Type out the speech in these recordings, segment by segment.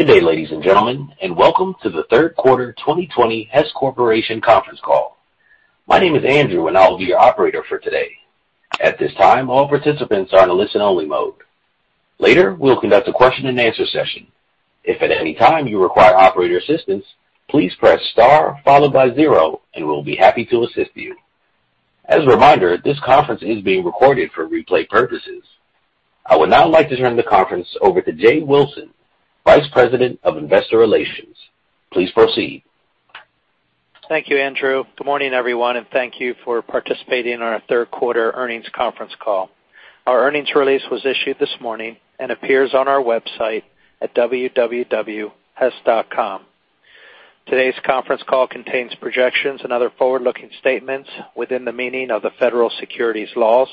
Good day, ladies and gentlemen, welcome to the Q3 2020 Hess Corporation conference call. My name is Andrew, and I will be your operator for today. At this time, all participants are in a listen-only mode. Later, we'll conduct a question and answer session. If at any time you require operator assistance, please press star followed by zero, and we'll be happy to assist you. As a reminder, this conference is being recorded for replay purposes. I would now like to turn the conference over to Jay Wilson, Vice President of Investor Relations. Please proceed. Thank you, Andrew. Good morning, everyone, thank you for participating in our Q3 earnings conference call. Our earnings release was issued this morning and appears on our website at www.hess.com. Today's conference call contains projections and other forward-looking statements within the meaning of the federal securities laws.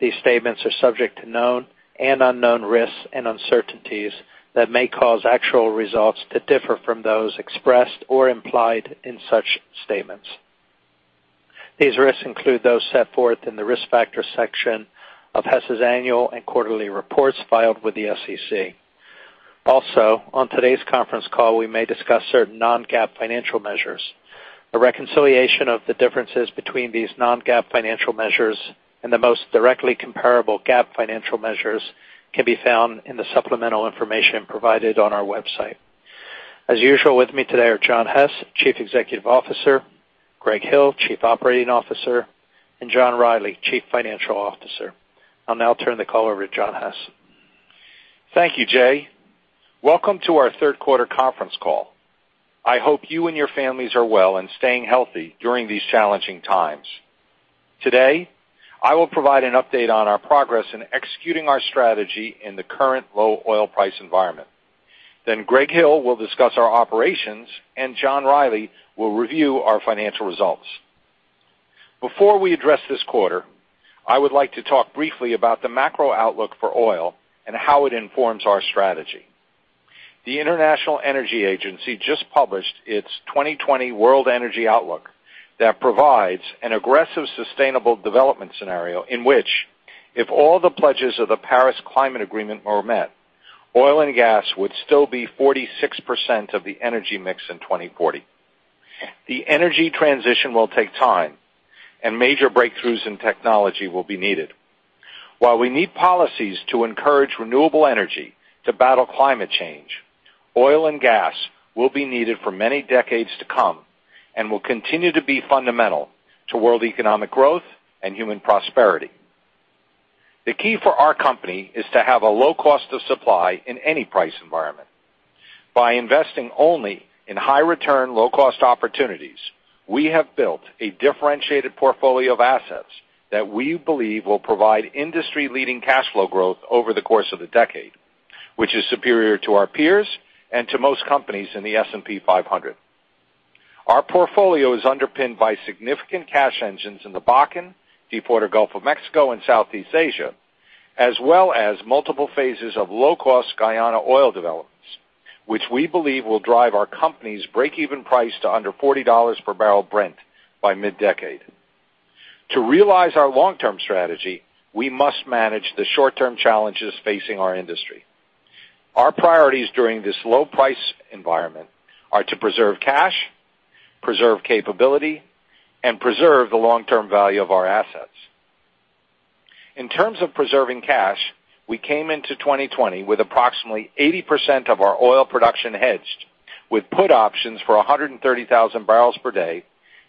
These statements are subject to known and unknown risks and uncertainties that may cause actual results to differ from those expressed or implied in such statements. These risks include those set forth in the risk factors section of Hess's annual and quarterly reports filed with the SEC. On today's conference call, we may discuss certain non-GAAP financial measures. A reconciliation of the differences between these non-GAAP financial measures and the most directly comparable GAAP financial measures can be found in the supplemental information provided on our website. As usual, with me today are John Hess, Chief Executive Officer, Greg Hill, Chief Operating Officer, and John Rielly, Chief Financial Officer. I'll now turn the call over to John Hess. Thank you, Jay. Welcome to our Q3 conference call. I hope you and your families are well and staying healthy during these challenging times. Today, I will provide an update on our progress in executing our strategy in the current low oil price environment. Greg Hill will discuss our operations, and John Rielly will review our financial results. Before we address this quarter, I would like to talk briefly about the macro outlook for oil and how it informs our strategy. The International Energy Agency just published its 2020 World Energy Outlook that provides an aggressive, sustainable development scenario in which, if all the pledges of the Paris Agreement were met, oil and gas would still be 46% of the energy mix in 2040. The energy transition will take time, and major breakthroughs in technology will be needed. While we need policies to encourage renewable energy to battle climate change, oil and gas will be needed for many decades to come and will continue to be fundamental to world economic growth and human prosperity. The key for our company is to have a low cost of supply in any price environment. By investing only in high return, low cost opportunities, we have built a differentiated portfolio of assets that we believe will provide industry-leading cash flow growth over the course of the decade, which is superior to our peers and to most companies in the S&P 500. Our portfolio is underpinned by significant cash engines in the Bakken, deepwater Gulf of Mexico, and Southeast Asia, as well as multiple phases of low-cost Guyana oil developments, which we believe will drive our company's breakeven price to under $40bbl Brent by mid-decade. To realize our long-term strategy, we must manage the short-term challenges facing our industry. Our priorities during this low price environment are to preserve cash, preserve capability, and preserve the long-term value of our assets. In terms of preserving cash, we came into 2020 with approximately 80% of our oil production hedged, with put options for 130,000 barrels per day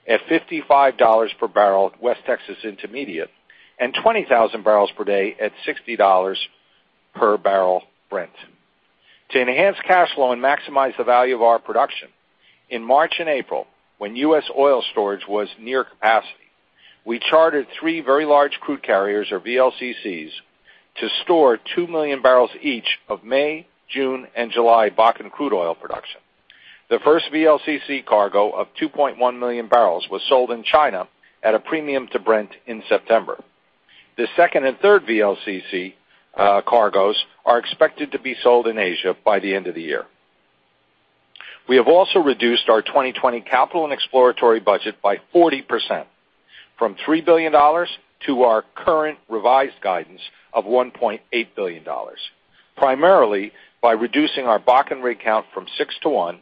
at $55 per barrel West Texas Intermediate and 20,000bbl per day at $60bbl Brent. To enhance cash flow and maximize the value of our production, in March and April, when U.S. oil storage was near capacity, we chartered three very large crude carriers, or VLCCs, to store 2 million barrels each of May, June, and July Bakken crude oil production. The first VLCC cargo of 2.1 million barrels was sold in China at a premium to Brent in September. The second and third VLCC cargos are expected to be sold in Asia by the end of the year. We have also reduced our 2020 capital and exploratory budget by 40%, from $3 billion to our current revised guidance of $1.8 billion, primarily by reducing our Bakken rig count from six to one,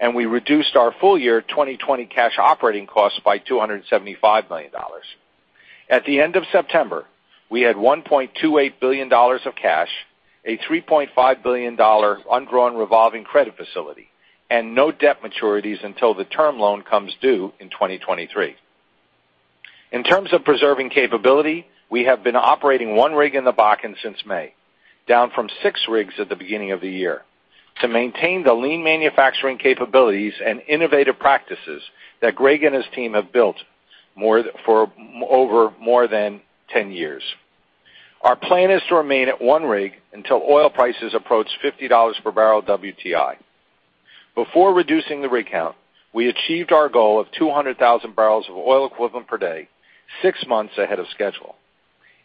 and we reduced our full year 2020 cash operating costs by $275 million. At the end of September, we had $1.28 billion of cash, a $3.5 billion undrawn revolving credit facility, and no debt maturities until the term loan comes due in 2023. In terms of preserving capability, we have been operating one rig in the Bakken since May, down from six rigs at the beginning of the year, to maintain the lean manufacturing capabilities and innovative practices that Greg and his team have built for over more than 10 years. Our plan is to remain at one rig until oil prices approach $50bbl WTI. Before reducing the rig count, we achieved our goal of 200,000bbl of oil equivalent per day six months ahead of schedule.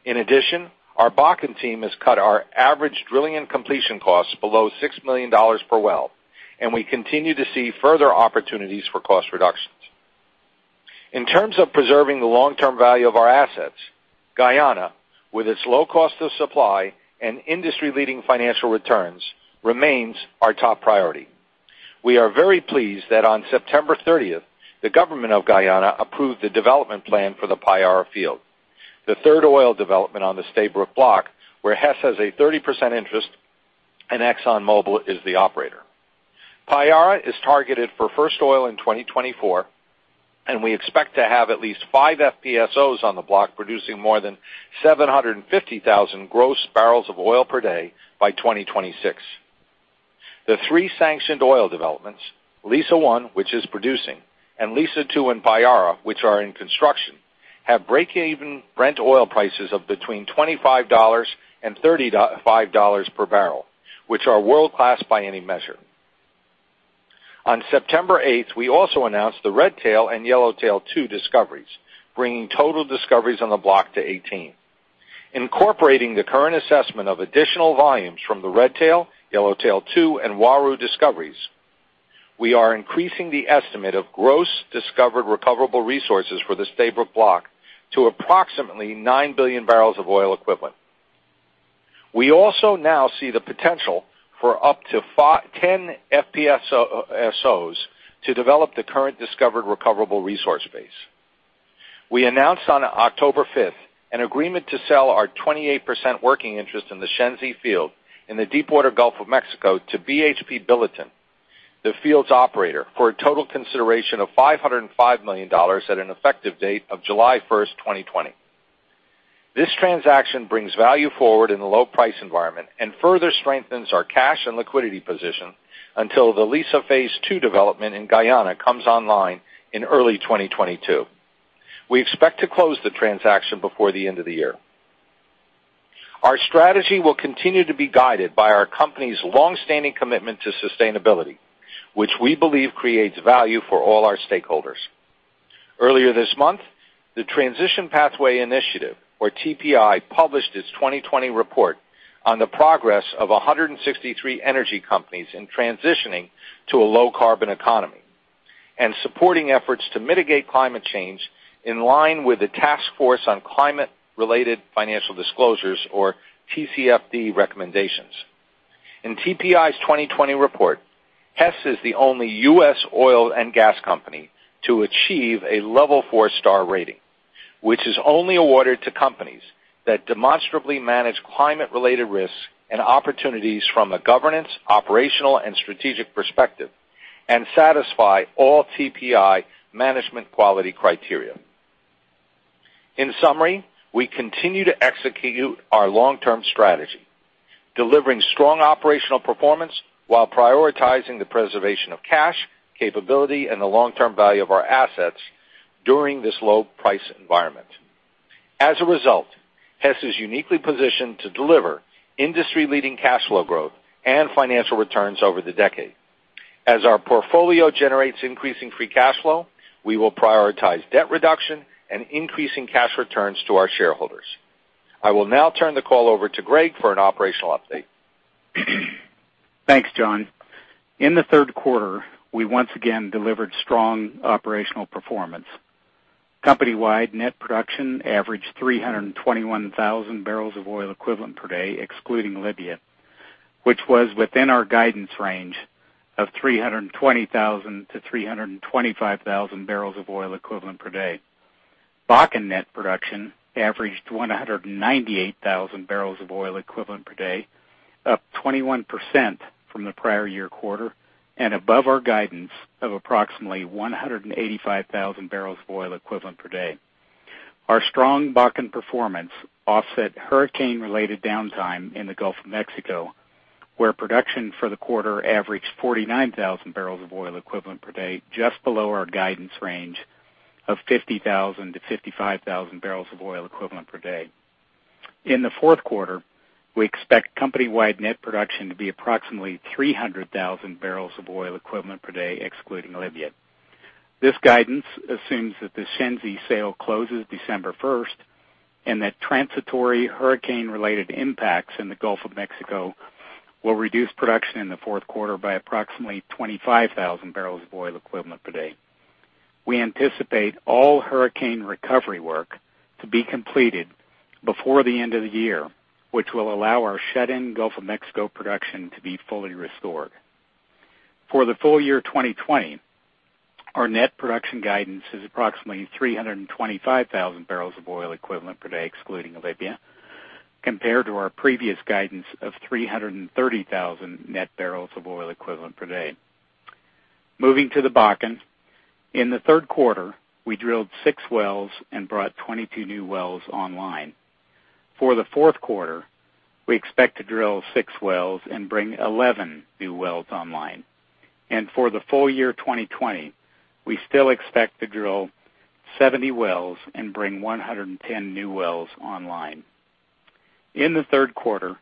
In addition, our Bakken team has cut our average drilling and completion costs below $6 million per well, and we continue to see further opportunities for cost reduction. In terms of preserving the long-term value of our assets, Guyana, with its low cost of supply and industry-leading financial returns, remains our top priority. We are very pleased that on 30 September the government of Guyana approved the development plan for the Payara field, the third oil development on the Stabroek Block, where Hess has a 30% interest and ExxonMobil is the operator. Payara is targeted for first oil in 2024. We expect to have at least five FPSOs on the block producing more than 750,000 gross barrels of oil per day by 2026. The three sanctioned oil developments, Liza Phase 1, which is producing, Liza Phase 2 and Payara, which are in construction, have break-even Brent oil prices of between $25bbl and $35bbl, which are world-class by any measure. On 8 September, we also announced the Redtail and Yellowtail-2 discoveries, bringing total discoveries on the block to 18. Incorporating the current assessment of additional volumes from the Redtail, Yellowtail-2, and Uaru discoveries, we are increasing the estimate of gross discovered recoverable resources for the Stabroek Block to approximately 9 billion barrels of oil equivalent. We also now see the potential for up to 10 FPSOs to develop the current discovered recoverable resource base. We announced on 5 October an agreement to sell our 28% working interest in the Shenzi field in the deepwater Gulf of Mexico to BHP Billiton, the field's operator, for a total consideration of $505 million at an effective date of 1 July 2020. This transaction brings value forward in the low price environment and further strengthens our cash and liquidity position until liza Phase 2 development in Guyana comes online in early 2022. We expect to close the transaction before the end of the year. Our strategy will continue to be guided by our company's longstanding commitment to sustainability, which we believe creates value for all our stakeholders. Earlier this month, the Transition Pathway Initiative, or TPI, published its 2020 report on the progress of 163 energy companies in transitioning to a low-carbon economy and supporting efforts to mitigate climate change in line with the Task Force on Climate-related Financial Disclosures or TCFD recommendations. In TPI's 2020 report, Hess is the only U.S. oil and gas company to achieve a level 4-star rating, which is only awarded to companies that demonstrably manage climate-related risks and opportunities from a governance, operational, and strategic perspective, and satisfy all TPI management quality criteria. In summary, we continue to execute our long-term strategy, delivering strong operational performance while prioritizing the preservation of cash, capability, and the long-term value of our assets during this low price environment. As a result, Hess is uniquely positioned to deliver industry-leading cash flow growth and financial returns over the decade. As our portfolio generates increasing Free Cash Flow, we will prioritize debt reduction and increasing cash returns to our shareholders. I will now turn the call over to Greg for an operational update. Thanks, John. In the Q3, we once again delivered strong operational performance. Company-wide net production averaged 321,000bbl of oil equivalent per day, excluding Libya, which was within our guidance range of 320,000bbl-325,000bbl of oil equivalent per day. Bakken net production averaged 198,000bbls of oil equivalent per day, up 21% from the prior year quarter and above our guidance of approximately 185,000bbl of oil equivalent per day. Our strong Bakken performance offset hurricane-related downtime in the Gulf of Mexico, where production for the quarter averaged 49,000bbl of oil equivalent per day, just below our guidance range of 50,000bbl-55,000bbl of oil equivalent per day. In the Q4, we expect company-wide net production to be approximately 300,000bbl of oil equivalent per day, excluding Libya. This guidance assumes that the Shenzi sale closes 1 December, and that transitory hurricane-related impacts in the Gulf of Mexico will reduce production in the Q4 by approximately 25,000bbl of oil equivalent per day. We anticipate all hurricane recovery work to be completed before the end of the year, which will allow our shut-in Gulf of Mexico production to be fully restored. For the full year 2020, our net production guidance is approximately 325,000bbl of oil equivalent per day, excluding Libya, compared to our previous guidance of 330,000bbl of oil equivalent per day. Moving to the Bakken. In the Q3, we drilled six wells and brought 22 new wells online. For the Q4, we expect to drill six wells and bring 11 new wells online. For the full year 2020, we still expect to drill 70 wells and bring 110 new wells online. In the Q3,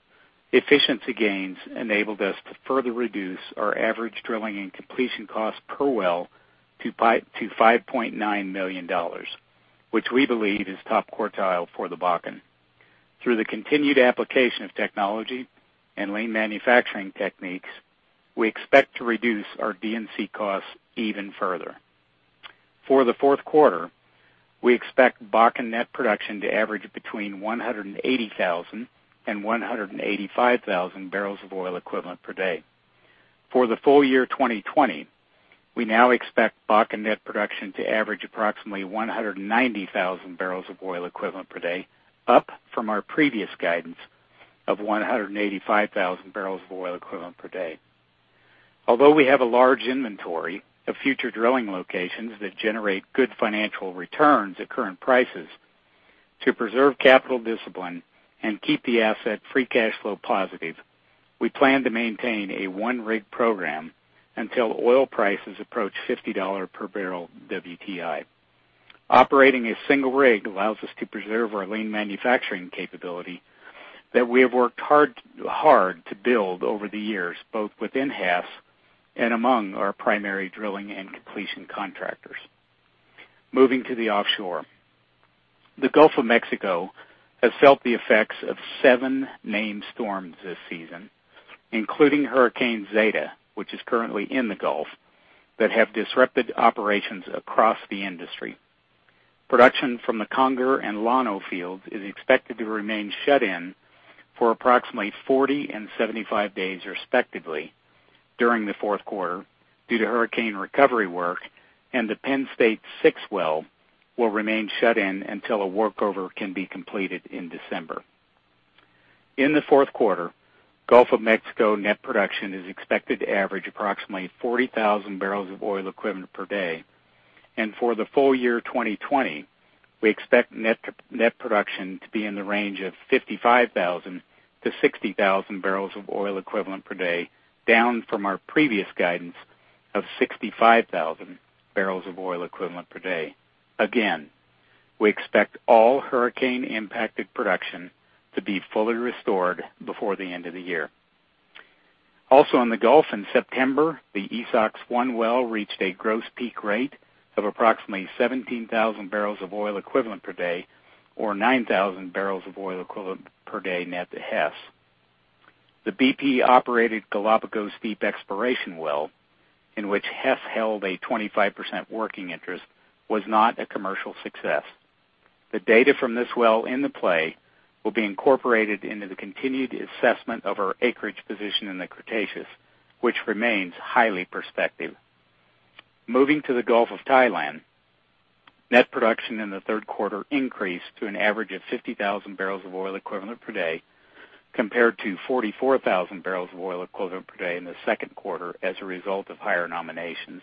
efficiency gains enabled us to further reduce our average drilling and completion cost per well to $5.9 million, which we believe is top quartile for the Bakken. Through the continued application of technology and lean manufacturing techniques, we expect to reduce our D&C costs even further. For the Q4, we expect Bakken net production to average between 180,000bbl and 185,000bbl of oil equivalent per day. For the full year 2020, we now expect Bakken net production to average approximately 190,000bbl of oil equivalent per day, up from our previous guidance of 185,000bbl of oil equivalent per day. Although we have a large inventory of future drilling locations that generate good financial returns at current prices, to preserve capital discipline and keep the asset Free Cash Flow positive, we plan to maintain a one-rig program until oil prices approach $50 per barrel WTI. Operating a single rig allows us to preserve our lean manufacturing capability that we have worked hard to build over the years, both within Hess and among our primary drilling and completion contractors. Moving to the offshore. The Gulf of Mexico has felt the effects of seven named storms this season, including Hurricane Zeta, which is currently in the Gulf, that have disrupted operations across the industry. Production from the Conger and Llano fields is expected to remain shut in for approximately 40 and 75 days respectively during the Q4 due to hurricane recovery work, and the Penn State 6 well will remain shut in until a workover can be completed in December. In the Q4, Gulf of Mexico net production is expected to average approximately 40,000bbl of oil equivalent per day. For the full year 2020, we expect net production to be in the range of 55,000bbl-60,000bbl of oil equivalent per day, down from our previous guidance of 65,000bbl of oil equivalent per day. Again, we expect all hurricane-impacted production to be fully restored before the end of the year. Also in the Gulf in September, the Esox-1 well reached a gross peak rate of approximately 17,000bbl of oil equivalent per day or 9,000bbl of oil equivalent per day net to Hess. The BP-operated Galapagos Deep exploration well, in which Hess held a 25% working interest, was not a commercial success. The data from this well in the play will be incorporated into the continued assessment of our acreage position in the Cretaceous, which remains highly prospective. Moving to the Gulf of Thailand, net production in the Q3 increased to an average of 50,000bbl of oil equivalent per day, compared to 44,000bbl of oil equivalent per day in the Q2 as a result of higher nominations.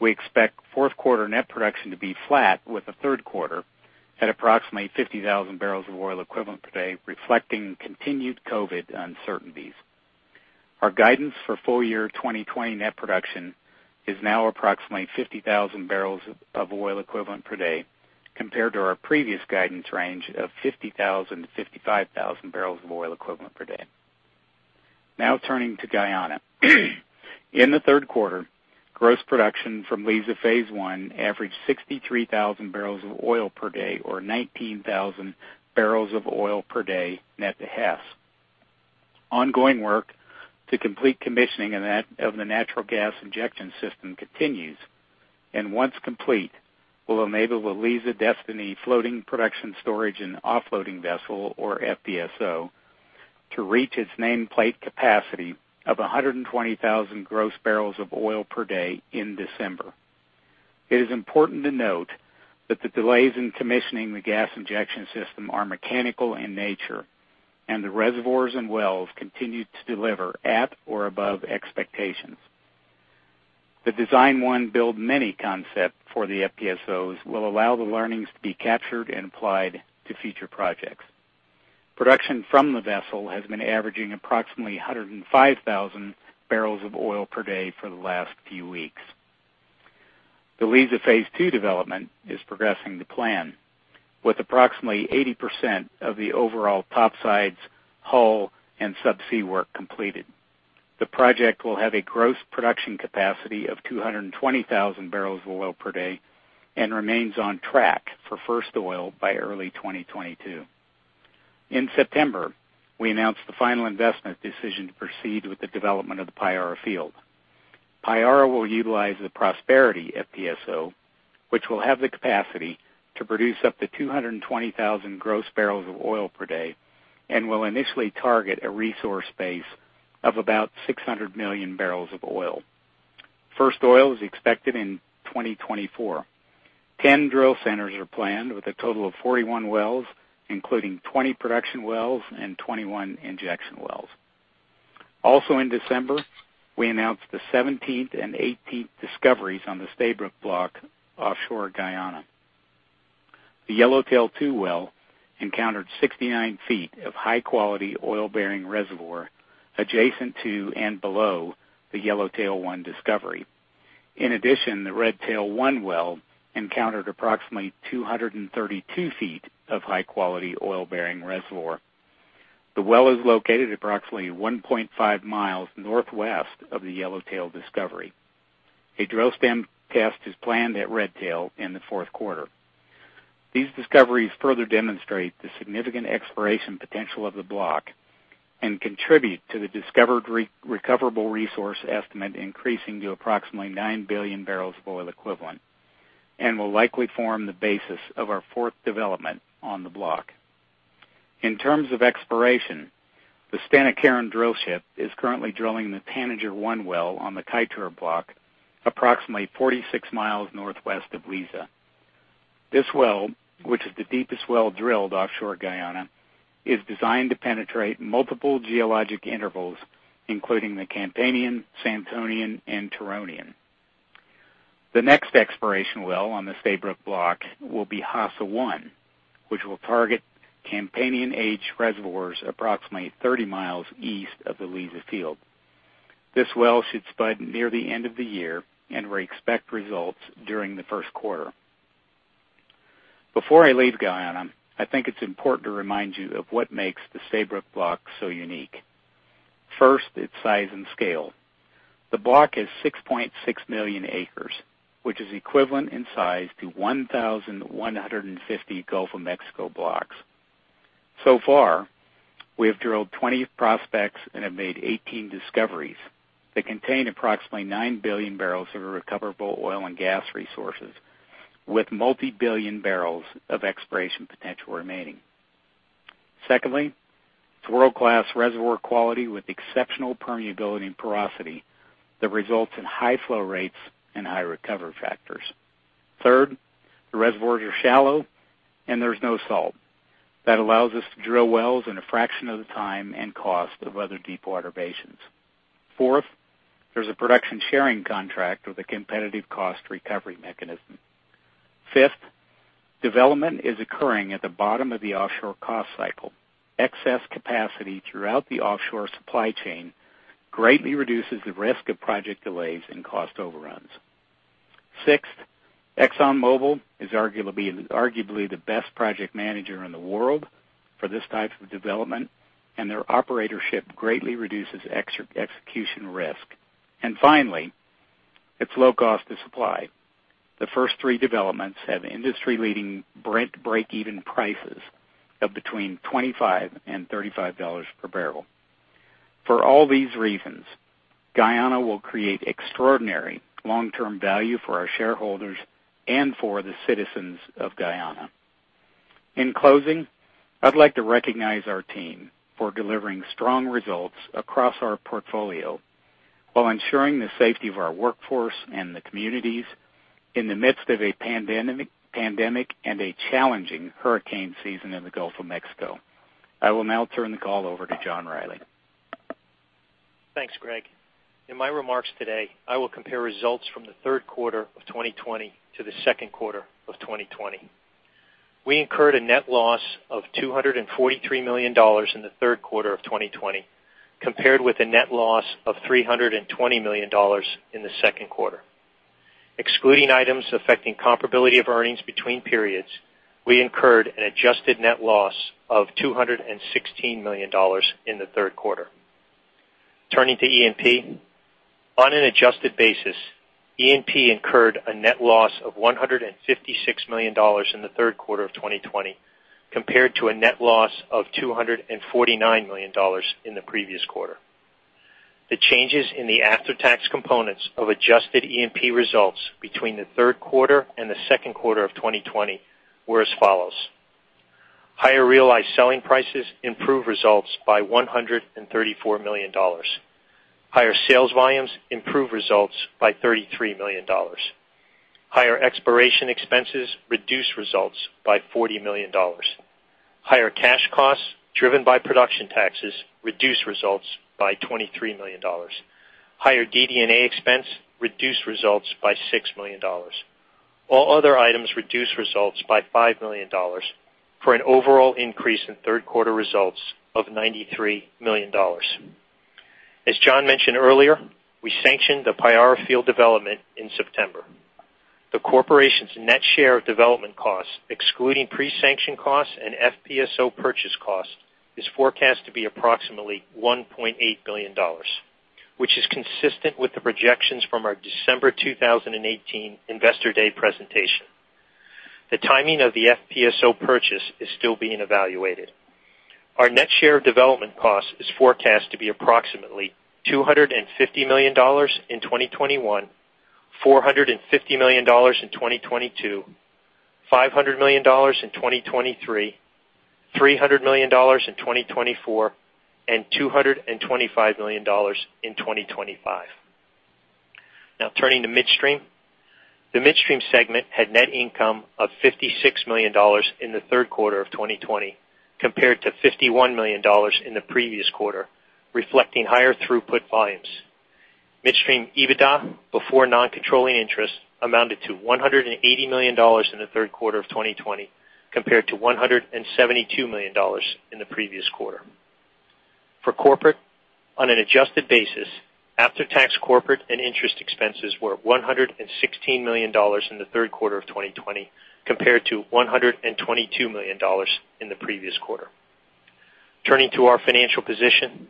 We expect Q4 net production to be flat with the Q3 at approximately 50,000bbl of oil equivalent per day, reflecting continued COVID uncertainties. Our guidance for full year 2020 net production is now approximately 50,000bbl of oil equivalent per day, compared to our previous guidance range of 50,000bbl-55,000bbl of oil equivalent per day. Turning to Guyana. In the Q3, gross production from Liza Phase 1 averaged 63,000bbl of oil per day or 19,000bbl of oil per day net to Hess. Ongoing work to complete commissioning of the natural gas injection system continues, and once complete, will enable the Liza Destiny, Floating Production Storage and Offloading vessel, or FPSO, to reach its nameplate capacity of 120,000 gross barrels of oil per day in December. It is important to note that the delays in commissioning the gas injection system are mechanical in nature, and the reservoirs and wells continue to deliver at or above expectations. The design one, build many concept for the FPSOs will allow the learnings to be captured and applied to future projects. Production from the vessel has been averaging approximately 105,000bbl of oil per day for the last few weeks. The Liza Phase 2 development is progressing to plan, with approximately 80% of the overall topsides, hull, and subsea work completed. The project will have a gross production capacity of 220,000bbl of oil per day and remains on track for first oil by early 2022. In September, we announced the final investment decision to proceed with the development of the Payara field. Payara will utilize the Prosperity FPSO, which will have the capacity to produce up to 220,000 gross barrels of oil per day and will initially target a resource base of about 600 million barrels of oil. First oil is expected in 2024. 10 drill centers are planned with a total of 41 wells, including 20 production wells and 21 injection wells. Also in December, we announced the 17th and 18th discoveries on the Stabroek Block offshore Guyana. The Yellowtail-2 well encountered 69ft of high-quality oil-bearing reservoir adjacent to and below the Yellowtail-1 discovery. In addition, the Redtail-1 well encountered approximately 232ft of high-quality oil-bearing reservoir. The well is located approximately 1.5mi northwest of the Yellowtail discovery. A drill stem test is planned at Redtail in the Q4. These discoveries further demonstrate the significant exploration potential of the block and contribute to the discovered recoverable resource estimate increasing to approximately 9 billion barrels of oil equivalent and will likely form the basis of our fourth development on the block. In terms of exploration, the Stena Carron drill ship is currently drilling the Tanager-1 well on the Kaieteur block, approximately 46mi northwest of Liza. This well, which is the deepest well drilled offshore Guyana, is designed to penetrate multiple geologic intervals, including the Campanian, Santonian, and Turonian. The next exploration well on the Stabroek Block will be Hassa-1, which will target Campanian Age reservoirs approximately 30mi east of the Liza field. This well should spud near the end of the year. We expect results during the Q1. Before I leave Guyana, I think it is important to remind you of what makes the Stabroek Block so unique. First, its size and scale. The block is 6.6 million acres, which is equivalent in size to 1,150 Gulf of Mexico blocks. Far, we have drilled 20 prospects and have made 18 discoveries that contain approximately 9 billion barrels of recoverable oil and gas resources, with multi-billion barrels of exploration potential remaining. Secondly, it's world-class reservoir quality with exceptional permeability and porosity that results in high flow rates and high recovery factors. Third, the reservoirs are shallow, there's no salt. That allows us to drill wells in a fraction of the time and cost of other deep-water basins. Fourth, there's a production sharing contract with a competitive cost recovery mechanism. Fifth, development is occurring at the bottom of the offshore cost cycle. Excess capacity throughout the offshore supply chain greatly reduces the risk of project delays and cost overruns. Sixth, ExxonMobil is arguably the best project manager in the world for this type of development, their operatorship greatly reduces execution risk, and finally, it's low cost to supply. The first three developments have industry-leading Brent break-even prices of between $25 and $35 per barrel. For all these reasons, Guyana will create extraordinary long-term value for our shareholders and for the citizens of Guyana. In closing, I'd like to recognize our team for delivering strong results across our portfolio while ensuring the safety of our workforce and the communities in the midst of a pandemic and a challenging hurricane season in the Gulf of Mexico. I will now turn the call over to John Rielly. Thanks, Greg. In my remarks today, I will compare results from the Q3 of 2020 to the Q2 of 2020. We incurred a net loss of $243 million in the Q3 of 2020, compared with a net loss of $320 million in the Q2. Excluding items affecting comparability of earnings between periods, we incurred an adjusted net loss of $216 million in the Q3. Turning to E&P. On an adjusted basis, E&P incurred a net loss of $156 million in the Q3 of 2020, compared to a net loss of $249 million in the previous quarter. The changes in the after-tax components of adjusted E&P results between the Q3 and the Q2 of 2020 were as follows. Higher realized selling prices improved results by $134 million. Higher sales volumes improved results by $33 million. Higher exploration expenses reduced results by $40 million. Higher cash costs driven by production taxes reduced results by $23 million. Higher DD&A expense reduced results by $6 million. All other items reduced results by $5 million for an overall increase in Q3 results of $93 million. As John mentioned earlier, we sanctioned the Payara field development in September. The corporation's net share of development costs, excluding pre-sanction costs and FPSO purchase cost, is forecast to be approximately $1.8 billion, which is consistent with the projections from our December 2018 Investor Day presentation. The timing of the FPSO purchase is still being evaluated. Our net share of development cost is forecast to be approximately $250 million in 2021, $450 million in 2022, $500 million in 2023, $300 million in 2024, and $225 million in 2025. Now turning to midstream. The midstream segment had net income of $56 million in the Q3 of 2020, compared to $51 million in the previous quarter, reflecting higher throughput volumes. Midstream EBITDA before non-controlling interest amounted to $180 million in the Q3 of 2020, compared to $172 million in the previous quarter. For corporate, on an adjusted basis, after-tax corporate and interest expenses were $116 million in the Q3 of 2020, compared to $122 million in the previous quarter. Turning to our financial position.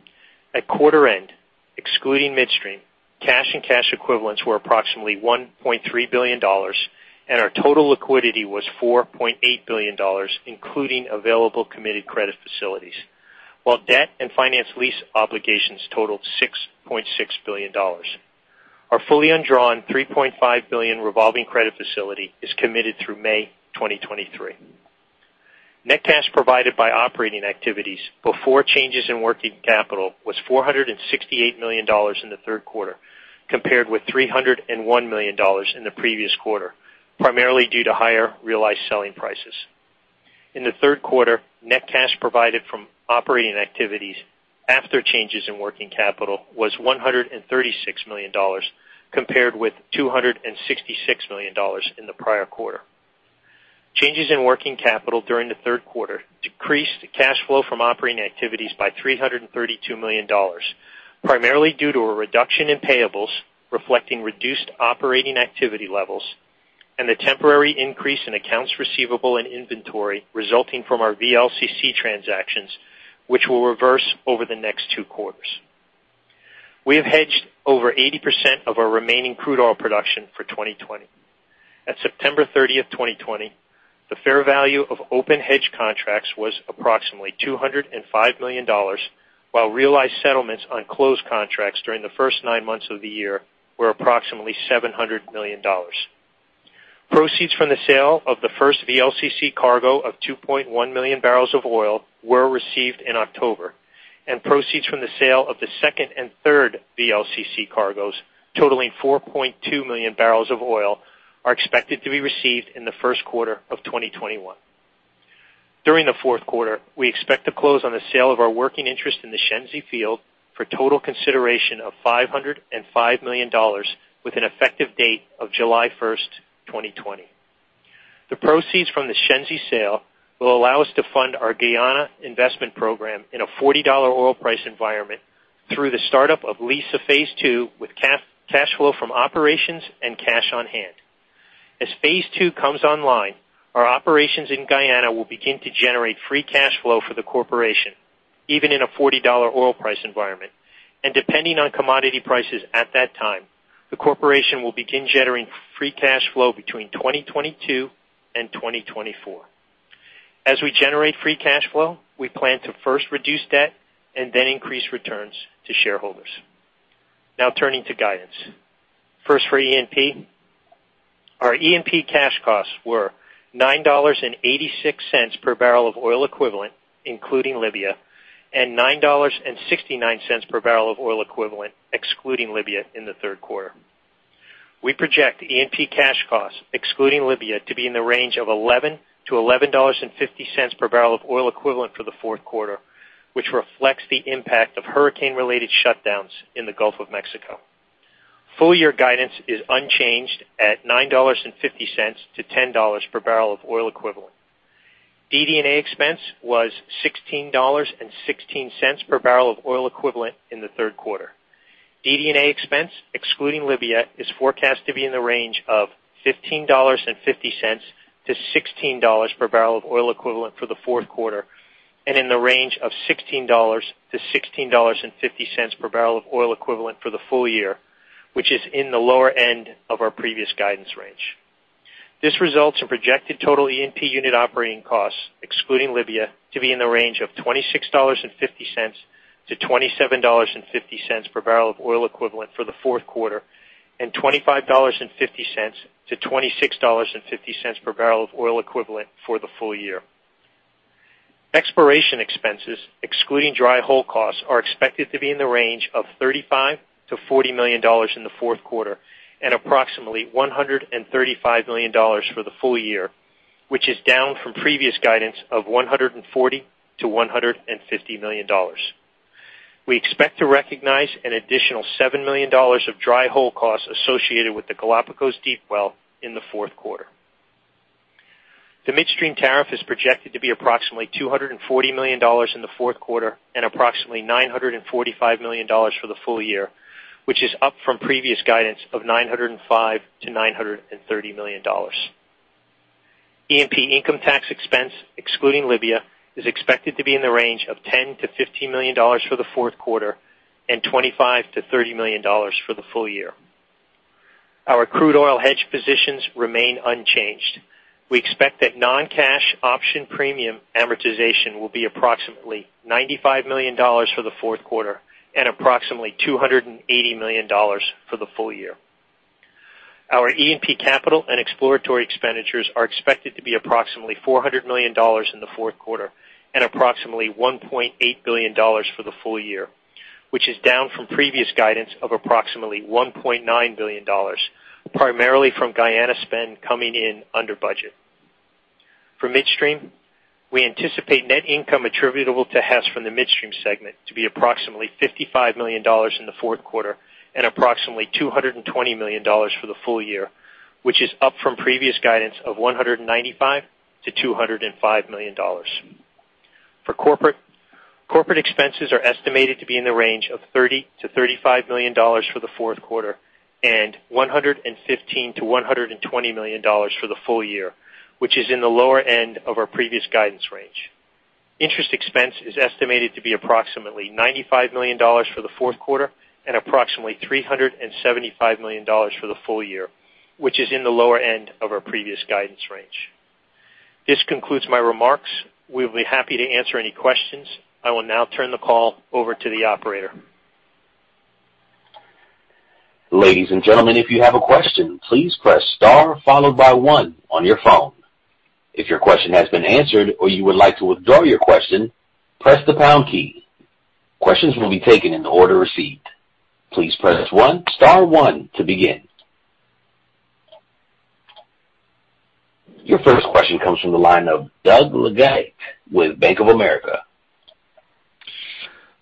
At quarter end, excluding midstream, cash and cash equivalents were approximately $1.3 billion, and our total liquidity was $4.8 billion, including available committed credit facilities, while debt and finance lease obligations totaled $6.6 billion. Our fully undrawn $3.5 billion revolving credit facility is committed through May 2023. Net cash provided by operating activities before changes in working capital was $468 million in the Q3, compared with $301 million in the previous quarter, primarily due to higher realized selling prices. In the Q3, net cash provided from operating activities after changes in working capital was $136 million, compared with $266 million in the prior quarter. Changes in working capital during the Q3 decreased cash flow from operating activities by $332 million, primarily due to a reduction in payables reflecting reduced operating activity levels and the temporary increase in accounts receivable and inventory resulting from our VLCC transactions, which will reverse over the next two quarters. We have hedged over 80% of our remaining crude oil production for 2020. At 30 September 2020, the fair value of open hedge contracts was approximately $205 million, while realized settlements on closed contracts during the first nine months of the year were approximately $700 million. Proceeds from the sale of the first VLCC cargo of 2.1 million barrels of oil were received in October, and proceeds from the sale of the Q2 and Q3 VLCC cargoes, totaling 4.2 million barrels of oil, are expected to be received in the Q1 of 2021. During the Q4, we expect to close on the sale of our working interest in the Shenzi field for total consideration of $505 million with an effective date of 1 July 2020. The proceeds from the Shenzi sale will allow us to fund our Guyana investment program in a $40 oil price environment through the startup liza Phase 2 with cash flow from operations and cash on hand. As Phase 2 comes online, our operations in Guyana will begin to generate Free Cash Flow for the corporation, even in a $40 oil price environment. Depending on commodity prices at that time, the corporation will begin generating Free Cash Flow between 2022 and 2024. As we generate Free Cash Flow, we plan to first reduce debt and then increase returns to shareholders. Now turning to guidance. First for E&P. Our E&P cash costs were $9.86bbl of oil equivalent, including Libya, and $9.69bbl of oil equivalent, excluding Libya, in the Q3. We project E&P cash costs, excluding Libya, to be in the range of $11-$11.50 per BOE for the Q4, which reflects the impact of hurricane-related shutdowns in the Gulf of Mexico. Full-year guidance is unchanged at $9.50-$10 per BOE. DD&A expense was $16.16 per BOE in the Q3. DD&A expense, excluding Libya, is forecast to be in the range of $15.50-$16 per BOE for the Q4, and in the range of $16-$16.50 per BOE for the full year, which is in the lower end of our previous guidance range. This results in projected total E&P unit operating costs, excluding Libya, to be in the range of $26.50-$27.50 per barrel of oil equivalent for the Q4, and $25.50-$26.50 per barrel of oil equivalent for the full year. Exploration expenses, excluding dry hole costs, are expected to be in the range of $35 million-$40 million in the Q4 and approximately $135 million for the full year, which is down from previous guidance of $140 million-$150 million. We expect to recognize an additional $7 million of dry hole costs associated with the Galapagos Deep well in the Q4. The midstream tariff is projected to be approximately $240 million in the Q4 and approximately $945 million for the full year, which is up from previous guidance of $905 million-$930 million. E&P income tax expense, excluding Libya, is expected to be in the range of $10 million-$15 million for the Q4 and $25 million-$30 million for the full year. Our crude oil hedge positions remain unchanged. We expect that non-cash option premium amortization will be approximately $95 million for the Q4 and approximately $280 million for the full year. Our E&P capital and exploratory expenditures are expected to be approximately $400 million in the Q4 and approximately $1.8 billion for the full year, which is down from previous guidance of approximately $1.9 billion, primarily from Guyana spend coming in under budget. For midstream, we anticipate net income attributable to Hess from the midstream segment to be approximately $55 million in the Q4 and approximately $220 million for the full year, which is up from previous guidance of $195 million-$205 million. For corporate expenses are estimated to be in the range of $30 million-$35 million for the Q4 and $115 million-$120 million for the full year, which is in the lower end of our previous guidance range. Interest expense is estimated to be approximately $95 million for the Q4 and approximately $375 million for the full year, which is in the lower end of our previous guidance range. This concludes my remarks. We'll be happy to answer any questions. I will now turn the call over to the operator. Your first question comes from the line of Doug Leggate with Bank of America.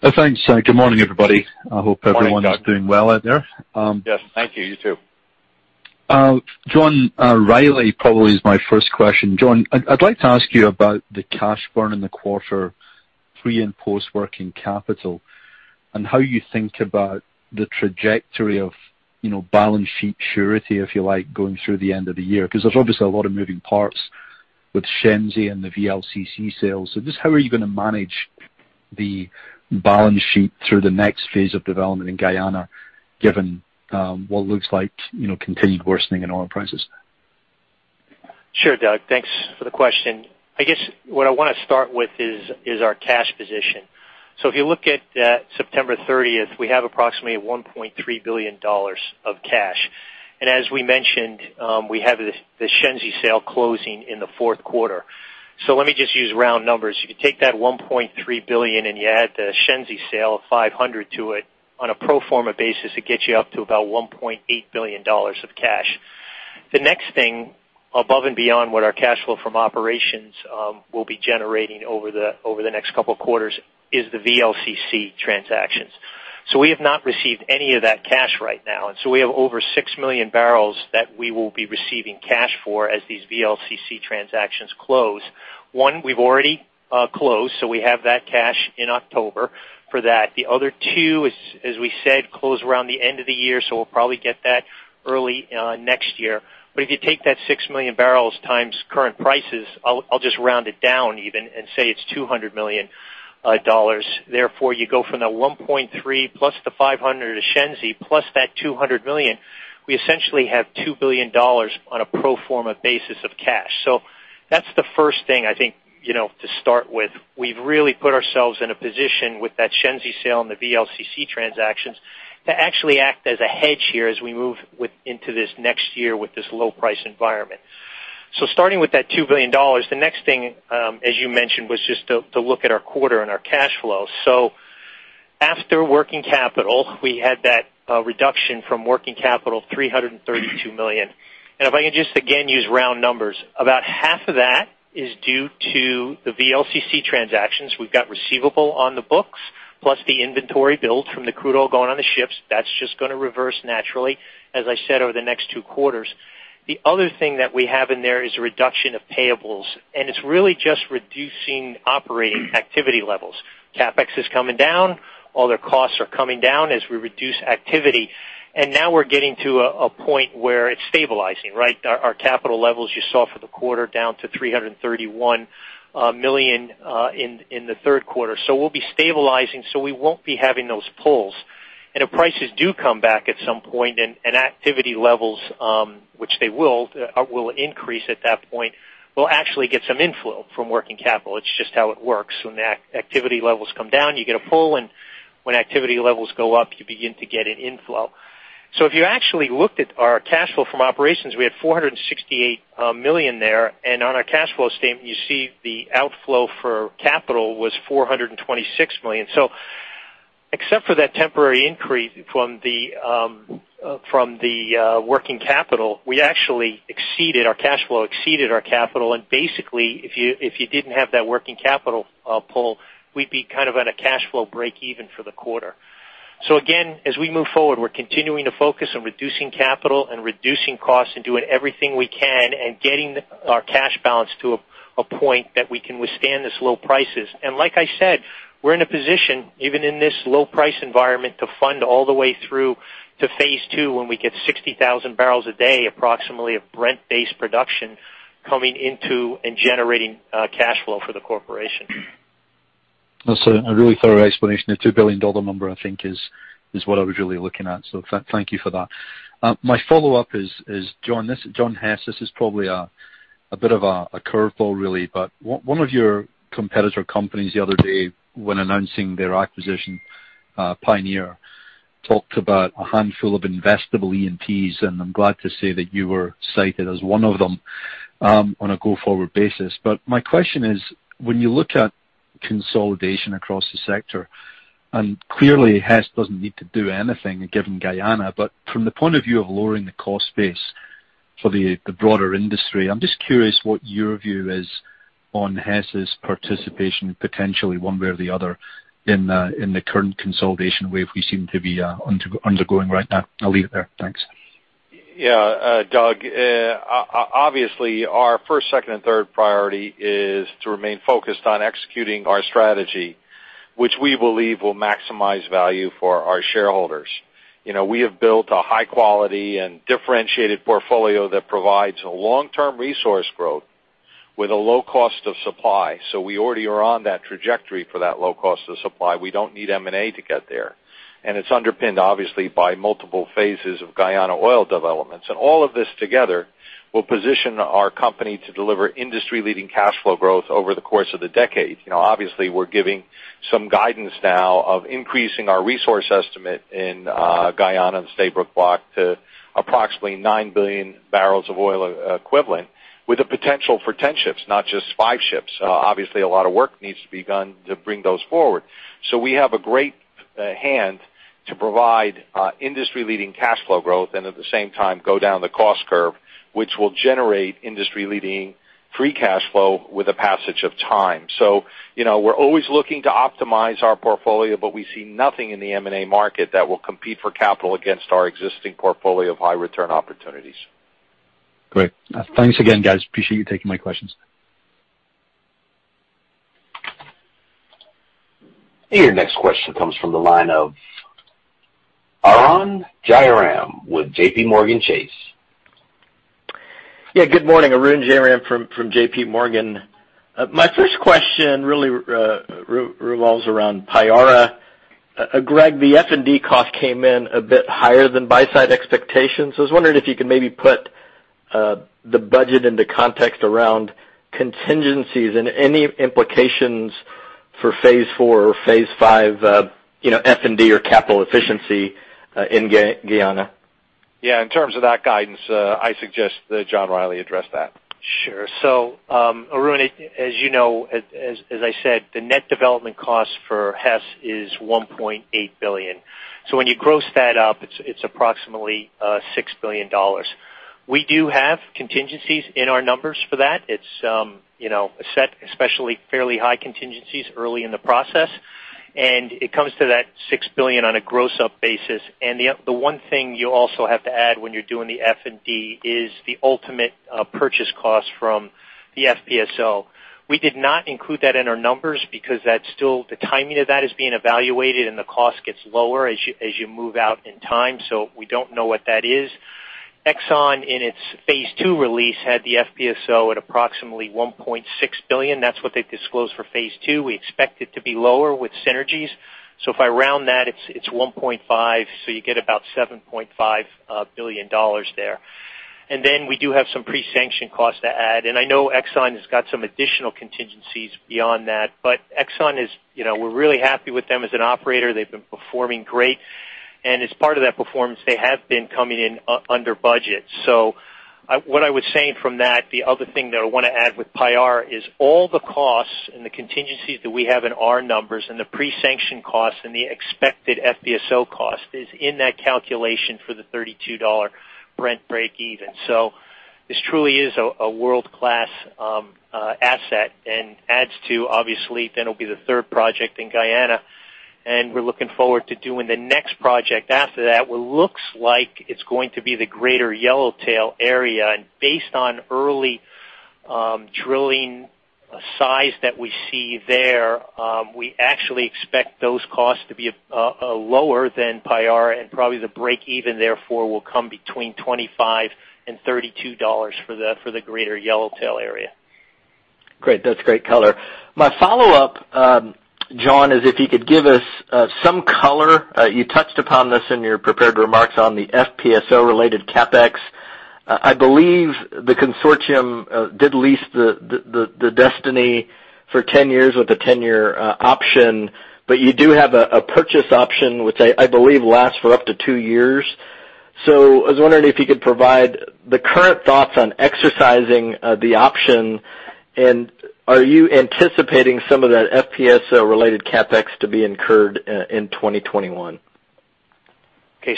Thanks. Good morning, everybody. Morning, Doug. Is doing well out there. Yes, thank you. You too. John Rielly, probably is my first question John, I'd like to ask you about the cash burn in the quarter, pre- and post-working capital, and how you think about the trajectory of balance sheet surety, if you like, going through the end of the year there's obviously a lot of moving parts with Shenzi and the VLCC sales. Just how are you going to manage the balance sheet through the next phase of development in Guyana, given what looks like continued worsening in oil prices? Sure, Doug thanks for the question. I guess what I want to start with is our cash position. If you look at 30 September, we have approximately $1.3 billion of cash. As we mentioned, we have the Shenzi sale closing in the Q4. Let me just use round numbers if you take that $1.3 billion and you add the Shenzi sale of $500 million to it on a pro forma basis, it gets you up to about $1.8 billion of cash. The next thing above and beyond what our cash flow from operations will be generating over the next couple of quarters is the VLCC transactions. We have not received any of that cash right now, we have over 6 million barrels that we will be receiving cash for as these VLCC transactions close. We've already closed, so we have that cash in October for that the other two, as we said, close around the end of the year, so we'll probably get that early next year. If you take that 6 million barrels times current prices, I'll just round it down even and say it's $200 million. Therefore, you go from the $1.3 billion plus the $500 million of Shenzi, plus that $200 million, we essentially have $2 billion on a pro forma basis of cash. That's the first thing I think to start with. We've really put ourselves in a position with that Shenzi sale and the VLCC transactions to actually act as a hedge here as we move into this next year with this low price environment. Starting with that $2 billion, the next thing, as you mentioned, was just to look at our quarter and our cash flow. After working capital, we had that reduction from working capital, $332 million. If I can just again use round numbers, about half of that is due to the VLCC transactions we've got receivable on the books, plus the inventory build from the crude oil going on the ships that's just going to reverse naturally, as I said, over the next two quarters. The other thing that we have in there is a reduction of payables, and it's really just reducing operating activity levels. CapEx is coming down. All their costs are coming down as we reduce activity. Now we're getting to a point where it's stabilizing, right? Our capital levels you saw for the quarter down to $331 million in the Q3 so we'll be stabilizing, so we won't be having those pulls. If prices do come back at some point and activity levels, which they will increase at that point, we'll actually get some inflow from working capital it's just how it works when the activity levels come down, you get a pull-in. When activity levels go up, you begin to get an inflow. If you actually looked at our cash flow from operations, we had $468 million there, and on our cash flow statement, you see the outflow for capital was $426 million. Except for that temporary increase from the working capital, we actually exceeded our cash flow, exceeded our capital, and basically, if you didn't have that working capital pull, we'd be kind of on a cash flow break even for the quarter. Again, as we move forward, we're continuing to focus on reducing capital and reducing costs and doing everything we can and getting our cash balance to a point that we can withstand these low prices and like I said, we're in a position, even in this low price environment, to fund all the way through to Phase 2 when we get 60,000bbl a day, approximately of Brent-based production coming into and generating cash flow for the corporation. That's a really thorough explanation the $2 billion number, I think is what I was really looking at. Thank you for that. My follow-up is, John Hess, this is probably a bit of a curveball, really, but one of your competitor companies the other day when announcing their acquisition? Pioneer, talked about a handful of investable E&Ps, and I'm glad to say that you were cited as one of them on a go-forward basis but my question is- When you look at consolidation across the sector, and clearly Hess doesn't need to do anything given Guyana, but from the point of view of lowering the cost base for the broader industry, I'm just curious what your view is on Hess's participation, potentially one way or the other in the current consolidation wave we seem to be undergoing right now i'll leave it there thanks. Yeah, Doug, obviously our first, second and third priority is to remain focused on executing our strategy, which we believe will maximize value for our shareholders. We have built a high quality and differentiated portfolio that provides a long-term resource growth with a low cost of supply so we already are on that trajectory for that low cost of supply we don't need M&A to get there. It's underpinned, obviously, by multiple phases of Guyana oil developments all of this together will position our company to deliver industry-leading cash flow growth over the course of the decade. Obviously, we're giving some guidance now of increasing our resource estimate in Guyana and Stabroek Block to approximately 9 billion barrels of oil equivalent with the potential for 10 ships, not just five ships. Obviously, a lot of work needs to be done to bring those forward. We have a great hand to provide industry-leading cash flow growth and at the same time, go down the cost curve, which will generate industry-leading Free Cash Flow with the passage of time. We're always looking to optimize our portfolio, but we see nothing in the M&A market that will compete for capital against our existing portfolio of high return opportunities. Great. Thanks again, guys. Appreciate you taking my questions. Your next question comes from the line of Arun Jayaram with J.P. Morgan Chase. Yeah, good morning Arun Jayaram from J.P. Morgan. My first question really revolves around Payara. Greg, the F&D cost came in a bit higher than buy-side expectations. I was wondering if you could maybe put the budget into context around contingencies and any implications for Phase 4 or Phase 5, F&D or capital efficiency in Guyana. Yeah, in terms of that guidance, I suggest that John Rielly address that. Sure. Arun, as you know, as I said, the net development cost for Hess is $1.8 billion. When you gross that up, it's approximately $6 billion. We do have contingencies in our numbers for that. It's set especially fairly high contingencies early in the process, and it comes to that $6 billion on a gross-up basis. The one thing you also have to add when you're doing the F&D is the ultimate purchase cost from the FPSO. We did not include that in our numbers because the timing of that is being evaluated, and the cost gets lower as you move out in time so we don't know what that is. Exxon, in its Phase 2 release, had the FPSO at approximately $1.6 billion that's what they disclosed for Phase 2 we expect it to be lower with synergies. If I round that, it's $1.5 billion you get about $7.5 billion there. We do have some pre-sanction costs to add i know Exxon has got some additional contingencies beyond that, but we're really happy with them as an operator they've been performing great. As part of that performance, they have been coming in under budget. What I was saying from that, the other thing that I want to add with Payara is all the costs and the contingencies that we have in our numbers and the pre-sanction costs and the expected FPSO cost is in that calculation for the $32 Brent breakeven. This truly is a world-class asset and adds to, obviously, then it'll be the third project in Guyana, and we're looking forward to doing the next project after that what looks like it's going to be the greater Yellowtail area based on early drilling size that we see there, we actually expect those costs to be lower than Payara and probably the breakeven, therefore, will come between $25 and $32 for the greater Yellowtail area. Great. That's great color. My follow-up, John, is if you could give us some color. You touched upon this in your prepared remarks on the FPSO-related CapEx. I believe the consortium did lease the Liza Destiny for 10 years with a 10-year option. You do have a purchase option, which I believe lasts for up to two years. I was wondering if you could provide the current thoughts on exercising the option, and are you anticipating some of that FPSO-related CapEx to be incurred in 2021? Okay,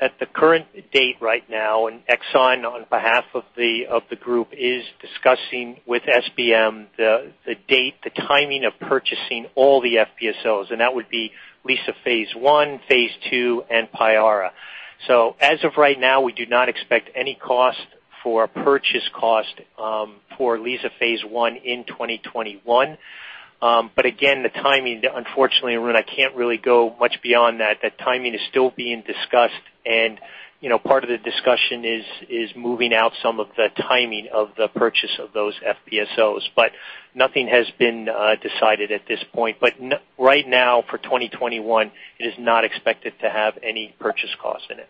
at the current date right now, Exxon, on behalf of the group, is discussing with SBM the date, the timing of purchasing all the FPSOs, and that would be Liza phase 1, Phase 2, and Payara. As of right now, we do not expect any cost for purchase cost for Liza Phase 1 in 2021. Again, the timing, unfortunately, Arun, I can't really go much beyond that the timing is still being discussed, and part of the discussion is moving out some of the timing of the purchase of those FPSOs. Nothing has been decided at this point but right now for 2021, it is not expected to have any purchase cost in it.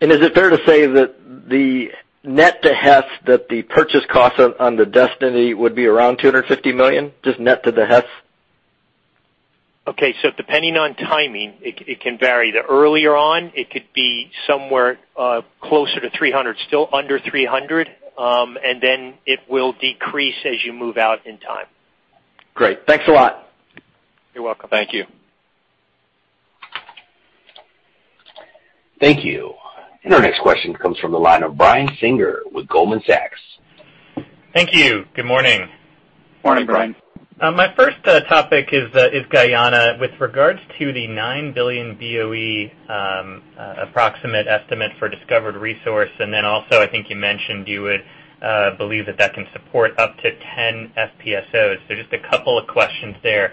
Is it fair to say that the net to Hess, that the purchase cost on the Liza Destiny would be around $250 million, just net to the Hess? Okay, depending on timing, it can vary the earlier on, it could be somewhere closer to $300, still under $300, and then it will decrease as you move out in time. Great. Thanks a lot. You're welcome. Thank you. Thank you. Our next question comes from the line of Brian Singer with Goldman Sachs Thank you. Good morning. Morning, Brian. My first topic is Guyana with regards to the 9 billion BOE approximate estimate for discovered resource, then also I think you mentioned you would believe that that can support up to 10 FPSOs. Just a couple of questions there.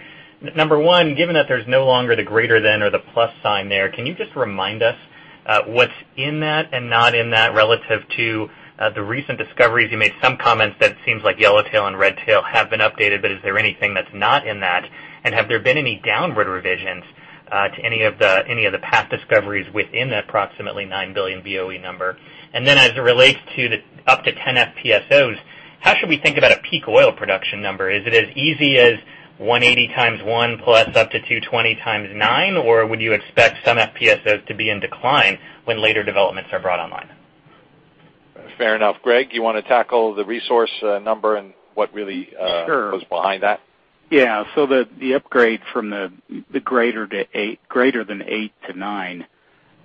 Number one given that there's no longer the greater than or the plus sign there, can you just remind us what's in that and not in that relative to the recent discoveries you made some comments that seems like Yellowtail and Redtail have been updated, is there anything that's not in that? Have there been any downward revisions to any of the past discoveries within that approximately 9 billion BOE number? As it relates to the up to 10 FPSOs, how should we think about a peak oil production number is it as easy as 180 x 1 plus up to 220 x 9? Would you expect some FPSOs to be in decline when later developments are brought online? Fair enough. Greg, you want to tackle the resource number and what really- Sure. -goes behind that? The upgrade from the greater than eight to nine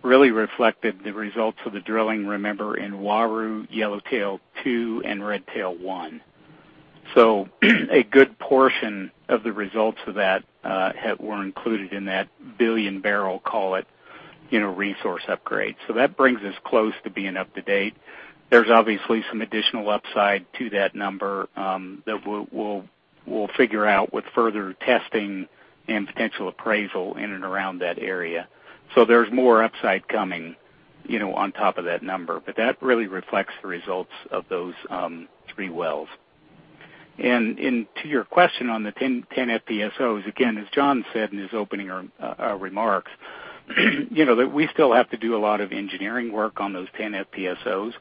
really reflected the results of the drilling, remember, in Uaru, Yellowtail-2, and Redtail-1. A good portion of the results of that were included in that 1 billion barrel, call it, resource upgrade. That brings us close to being up to date. There's obviously some additional upside to that number that we'll figure out with further testing and potential appraisal in and around that area. There's more upside coming on top of that number that really reflects the results of those three wells. To your question on the 10 FPSOs, again, as John said in his opening remarks, we still have to do a lot of engineering work on those 10 FPSOs.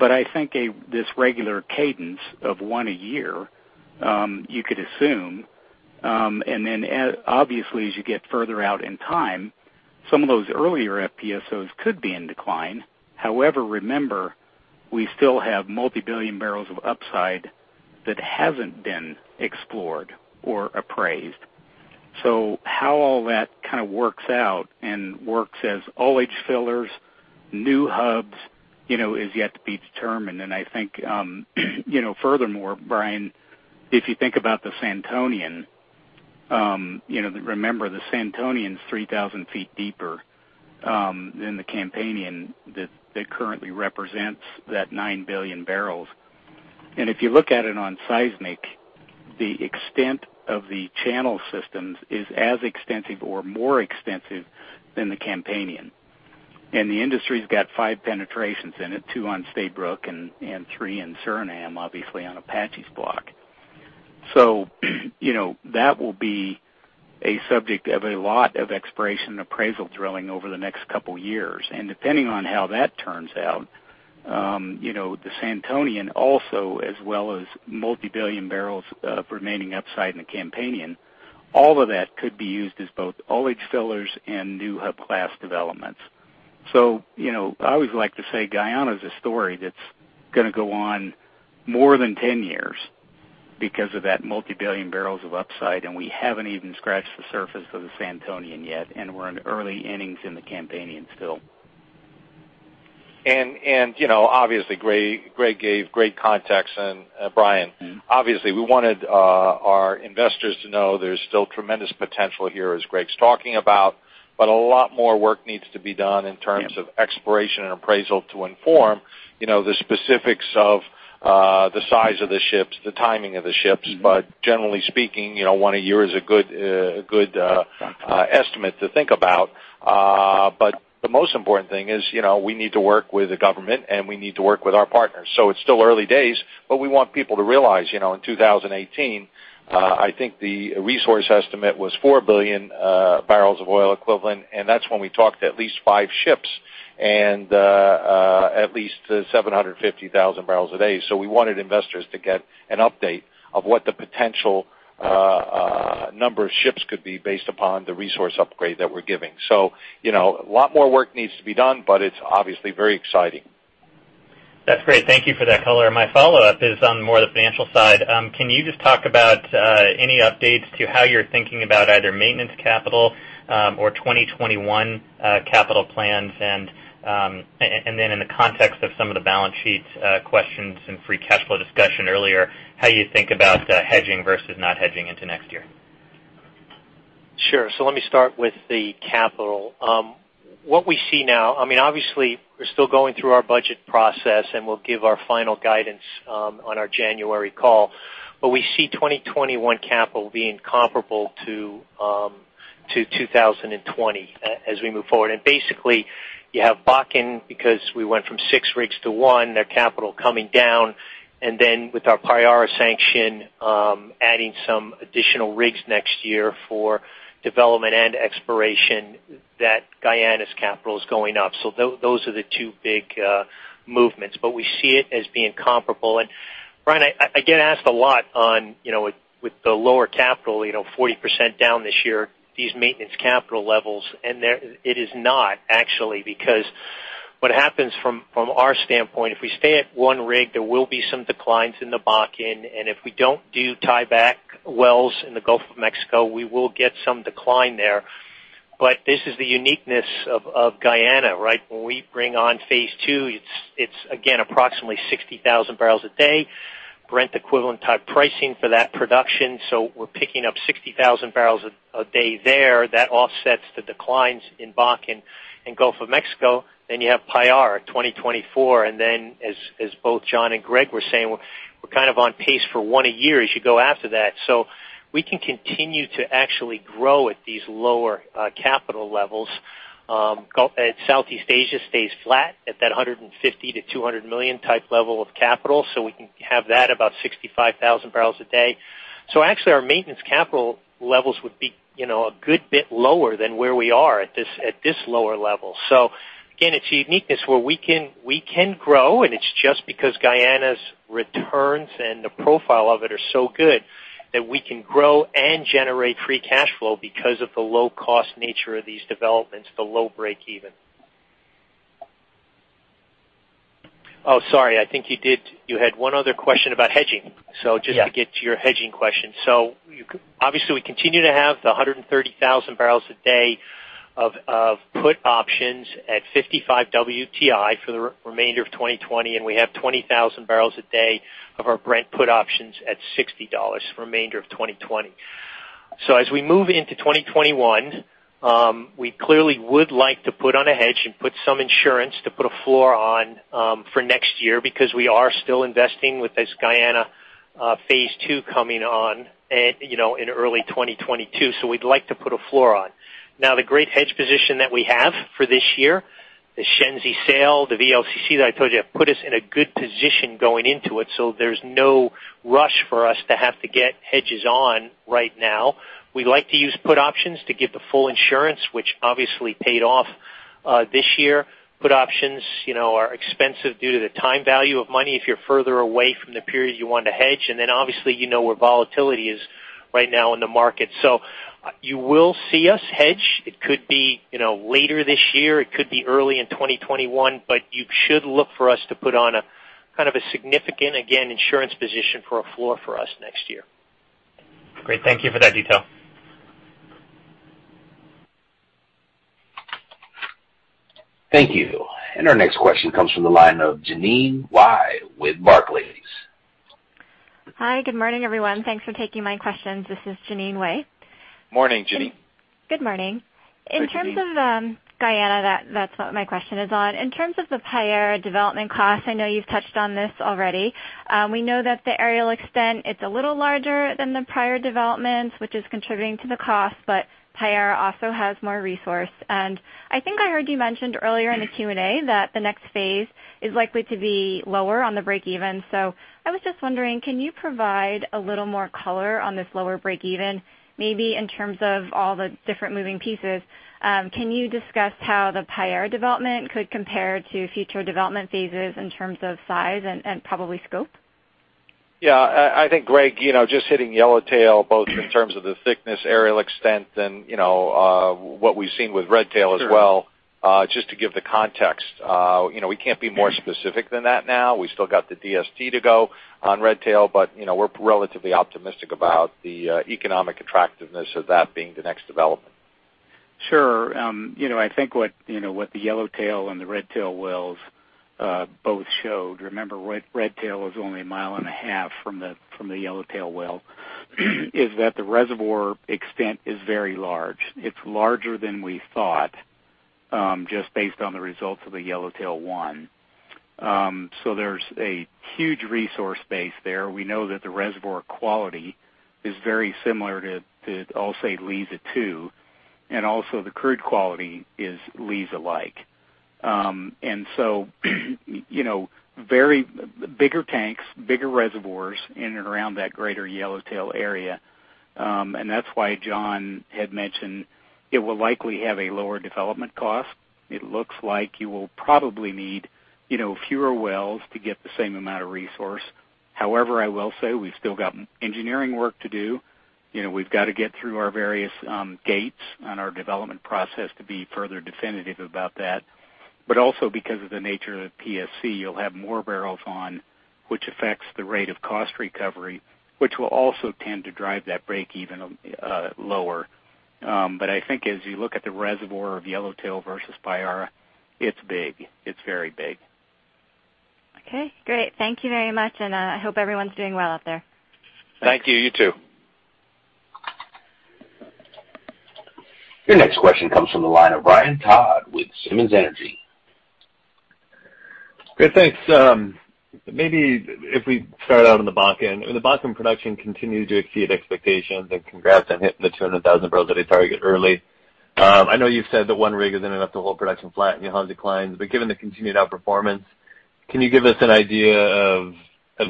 I think this regular cadence of one a year, you could assume, and then obviously as you get further out in time, some of those earlier FPSOs could be in decline. However, remember, we still have multi-billion barrels of upside that hasn't been explored or appraised. How all that kind of works out and works as ullage fillers, new hubs, is yet to be determined i think, furthermore, Brian, if you think about the Santonian, remember the Santonian's 3,000ft deeper than the Campanian that currently represents that 9 billion barrels. If you look at it on seismic, the extent of the channel systems is as extensive or more extensive than the Campanian. The industry's got five penetrations in it, two on Stabroek and three in Suriname, obviously on Apache's block. That will be a subject of a lot of exploration appraisal drilling over the next couple of years and depending on how that turns out, the Santonian also as well as multi-billion barrels of remaining upside in the Campanian, all of that could be used as both ullage fillers and new hub class developments. I always like to say Guyana is a story that's going to go on more than 10 years because of that multi-billion barrels of upside, and we haven't even scratched the surface of the Santonian yet, and we're in early innings in the Campanian still. Obviously, Greg gave great context. Brian, obviously, we wanted our investors to know there's still tremendous potential here, as Greg's talking about, but a lot more work needs to be done in terms of exploration and appraisal to inform the specifics of the size of the ships, the timing of the ships generally speaking, one a year is a good estimate to think about. The most important thing is we need to work with the government, and we need to work with our partners so it's still early days, but we want people to realize, in 2018, I think the resource estimate was 4 billion barrels of oil equivalent, and that's when we talked at least five ships and at least 750,000bbl a day so we wanted investors to get an update of what the potential number of ships could be based upon the resource upgrade that we're giving. A lot more work needs to be done, but it's obviously very exciting. That's great. Thank you for that color my follow-up is on more the financial side. Can you just talk about any updates to how you're thinking about either maintenance CapEx or 2021 CapEx plans? In the context of some of the balance sheet questions and Free Cash Flow discussion earlier, how you think about hedging versus not hedging into next year? Sure. Let me start with the capital. What we see now, obviously, we're still going through our budget process, and we'll give our final guidance on our January call. We see 2021 capital being comparable to 2020 as we move forward basically, you have Bakken, because we went from 6 rigs to 1, their capital coming down. Then with our Payara sanction, adding some additional rigs next year for development and exploration, that Guyana's capital is going up so those are the two big movements, but we see it as being comparable. Brian, I get asked a lot on with the lower capital, 40% down this year, these maintenance capital levels. It is not, actually, because what happens from our standpoint, if we stay at one rig, there will be some declines in the Bakken, and if we don't do tieback wells in the Gulf of Mexico, we will get some decline there. This is the uniqueness of Guyana, right? When we bring on Phase 2, it's again, approximately 60,000bbl a day, Brent equivalent type pricing for that production so we're picking up 60,000bbl a day there. That offsets the declines in Bakken and Gulf of Mexico. You have Payara 2024, and then as both John and Greg were saying, we're kind of on pace for one a year as you go after that. We can continue to actually grow at these lower capital levels. Southeast Asia stays flat at that $150 million-$200 million type level of capital, we can have that about 65,000bbl a day. Actually our maintenance capital levels would be a good bit lower than where we are at this lower level. Again, it's uniqueness where we can grow, and it's just because Guyana's returns and the profile of it are so good that we can grow and generate Free Cash Flow because of the low cost nature of these developments, the low break even. Oh, sorry, I think you had one other question about hedging. Yeah. Just to get to your hedging question. Obviously we continue to have the 130,000bbl a day of put options at 55 WTI for the remainder of 2020, and we have 20,000bbl a day of our Brent put options at $60 for remainder of 2020. As we move into 2021, we clearly would like to put on a hedge and put some insurance to put a floor on for next year because we are still investing with this Guyana Phase 2 coming on in early 2022 so we'd like to put a floor on. Now, the great hedge position that we have for this year, the Shenzi sale, the VLCC that I told you, put us in a good position going into it there's no rush for us to have to get hedges on right now. We like to use put options to get the full insurance, which obviously paid off this year. Put options are expensive due to the time value of money if you're further away from the period you want to hedge, and then obviously, you know where volatility is right now in the market. You will see us hedge. It could be later this year, it could be early in 2021, but you should look for us to put on a kind of a significant, again, insurance position for a floor for us next year. Great. Thank you for that detail. Thank you. Our next question comes from the line of Jeanine Wai with Barclays. Hi, good morning, everyone thanks for taking my questions this is Jeanine Wai. Morning, Jeanine. Good morning. Hi, Jeanine. In terms of Guyana, that's what my question is on in terms of the Payara development costs, I know you've touched on this already. We know that the areal extent, it's a little larger than the prior developments, which is contributing to the cost, but Payara also has more resource. I think I heard you mentioned earlier in the Q&A that the next phase is likely to be lower on the break even. I was just wondering, can you provide a little more color on this lower break even, maybe in terms of all the different moving pieces? Can you discuss how the Payara development could compare to future development phases in terms of size and probably scope? Yeah, I think Greg, just hitting Yellowtail both in terms of the thickness, areal extent, and what we've seen with Redtail as well. Just to give the context. We can't be more specific than that now we still got the DST to go on Redtail, but we're relatively optimistic about the economic attractiveness of that being the next development. Sure. I think what the Yellowtail and the Redtail wells both showed, remember Redtail is only a mile and a half from the Yellowtail well, is that the reservoir extent is very large. It's larger than we thought, just based on the results of the Yellowtail-1. There's a huge resource base there we know that the reservoir quality is very similar to I'll say Liza Phase 2, and also the crude quality is Liza-like. Bigger tanks, bigger reservoirs in and around that greater Yellowtail area. That's why John had mentioned it will likely have a lower development cost. It looks like you will probably need fewer wells to get the same amount of resource. However, I will say we've still got engineering work to do. We've got to get through our various gates on our development process to be further definitive about that. Also because of the nature of PSC, you'll have more barrels on, which affects the rate of cost recovery, which will also tend to drive that break even lower. I think as you look at the reservoir of Yellowtail versus Payara, it's big. It's very big. Okay, great. Thank you very much. I hope everyone's doing well out there. Thank you. You too. Your next question comes from the line of Ryan Todd with Simmons Energy. Great. Thanks. Maybe if we start out on the Bakken the Bakken production continued to exceed expectations, congrats on hitting the 200,000bbl a day target early. I know you've said that 1 rig is enough to hold production flat and you'll hold declines, given the continued outperformance, can you give us an idea of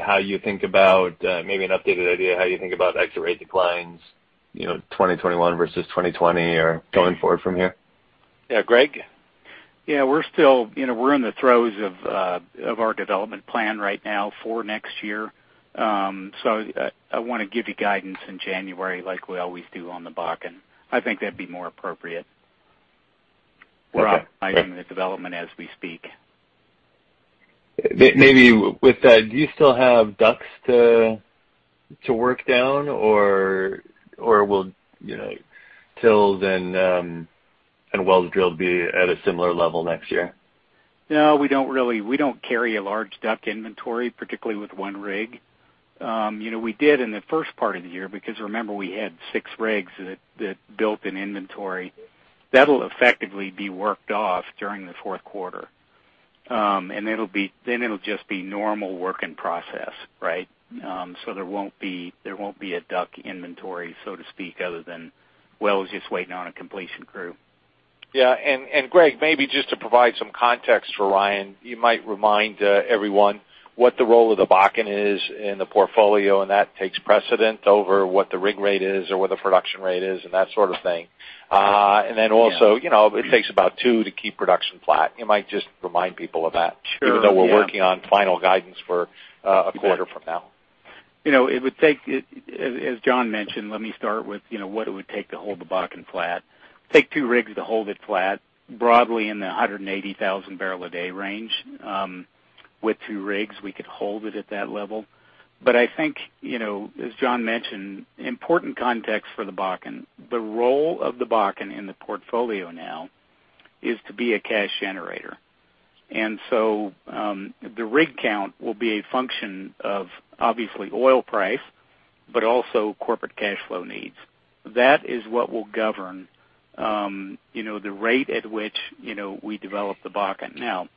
how you think about, maybe an updated idea, how you think about exit rate declines 2021 versus 2020 or going forward from here? Yeah. Greg? Yeah, we're in the throes of our development plan right now for next year. I want to give you guidance in January like we always do on the Bakken. I think that'd be more appropriate. Okay. We're optimizing the development as we speak. Maybe with that, do you still have DUCs to work down? will rigs and wells drilled be at a similar level next year? No, we don't carry a large DUC inventory, particularly with one rig. We did in the first part of the year because remember we had six rigs that built an inventory. That'll effectively be worked off during the Q4. It'll just be normal work in process right? there won't be a DUC inventory, so to speak, other than wells just waiting on a completion crew. Yeah. Greg, maybe just to provide some context for Ryan, you might remind everyone what the role of the Bakken is in the portfolio, and that takes precedence over what the rig rate is or what the production rate is and that sort of thing. Yeah. Also, it takes about two to keep production flat you might just remind people of that. Sure, yeah. Even though we're working on final guidance for a quarter from now. It would take, as John mentioned, let me start with what it would take to hold the Bakken flat. Take 2 rigs to hold it flat, broadly in the 180,000bbl a day range. With 2 rigs, we could hold it at that level. I think, as John mentioned, important context for the Bakken, the role of the Bakken in the portfolio now is to be a cash generator and so- The rig count will be a function of obviously oil price, but also corporate cash flow needs. That is what will govern the rate at which we develop the Bakken now,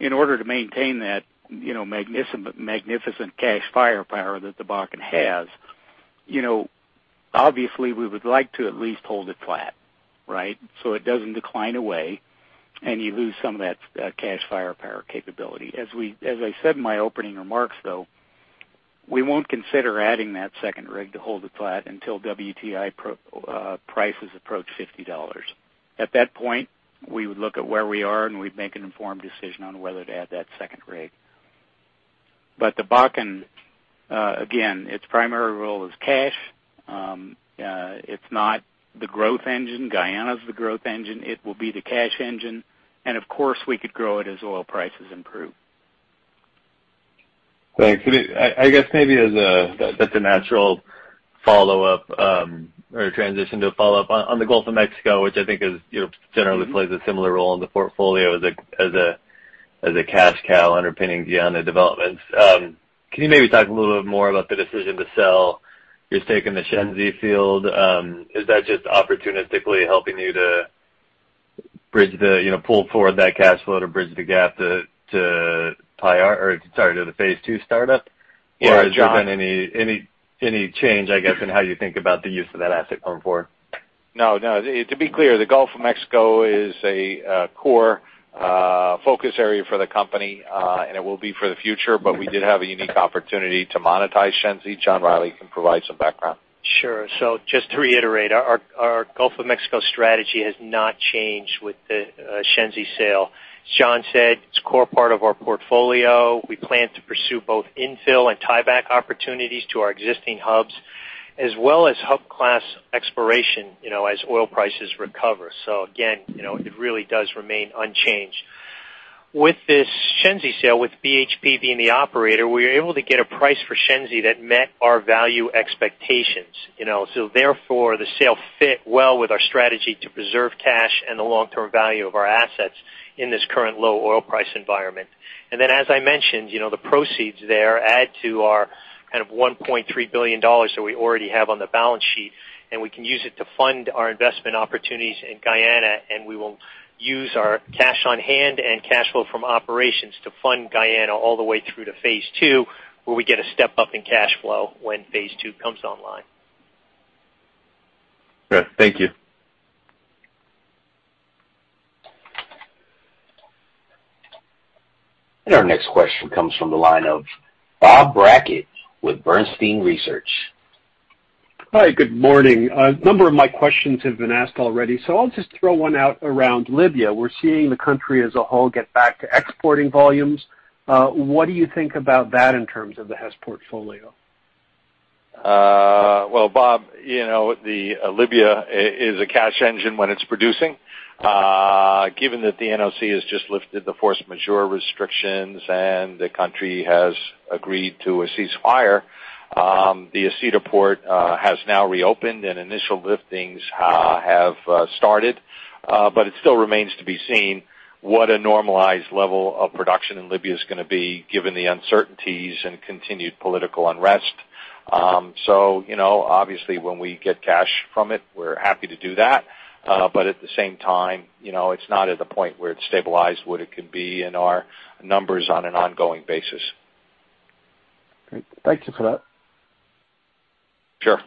in order to maintain that magnificent cash firepower that the Bakken has, obviously we would like to at least hold it flat. It doesn't decline away, and you lose some of that cash firepower capability as I said in my opening remarks, though. we won't consider adding that second rig to hold it flat until WTI prices approach $50. At that point, we would look at where we are, and we'd make an informed decision on whether to add that second rig. The Bakken, again, its primary role is cash. It's not the growth engine Guyana's the growth engine it will be the cash engine. And of course, we could grow it as oil prices improve. Thanks. I guess maybe as a natural follow-up, or transition to a follow-up on the Gulf of Mexico, which I think generally plays a similar role in the portfolio as a cash cow underpinning Guyana developments. Can you maybe talk a little bit more about the decision to sell your stake in the Shenzi Field? Is that just opportunistically helping you to pull forward that cash flow to bridge the gap to the Phase 2 startup? Yeah, John. Has there been any change, I guess, in how you think about the use of that asset going forward? No. To be clear, the Gulf of Mexico is a core focus area for the company, and it will be for the future but we did have a unique opportunity to monetize Shenzi, John Rielly can provide some background. Sure. Just to reiterate, our Gulf of Mexico strategy has not changed with the Shenzi sale. John said it's a core part of our portfolio. We plan to pursue both infill and tieback opportunities to our existing hubs, as well as hub class exploration as oil prices recover so again, it really does remain unchanged. With this Shenzi sale, with BHP being the operator, we were able to get a price for Shenzi that met our value expectations. Therefore, the sale fit well with our strategy to preserve cash and the long-term value of our assets in this current low oil price environment. As I mentioned, the proceeds there add to our $1.3 billion that we already have on the balance sheet. We can use it to fund our investment opportunities in Guyana and we will use our cash on hand and cash flow from operations to fund Guyana all the way through to Phase 2, where we get a step-up in cash flow when Phase 2 comes online. Okay. Thank you. Our next question comes from the line of Bob Brackett with Bernstein Research. Hi, good morning. A number of my questions have been asked already so i'll just throw one out around Libya we're seeing the country as a whole get back to exporting volumes. What do you think about that in terms of the Hess portfolio? Well, Bob, Libya is a cash engine when it's producing. Given that the NOC has just lifted the force majeure restrictions and the country has agreed to a ceasefire, the Es Sider port has now reopened, and initial liftings have started. It still remains to be seen what a normalized level of production in Libya is going to be given the uncertainties and continued political unrest. Obviously when we get cash from it, we're happy to do that. At the same time, it's not at the point where it's stabilized what it can be in our numbers on an ongoing basis. Great. Thank you for that. Sure.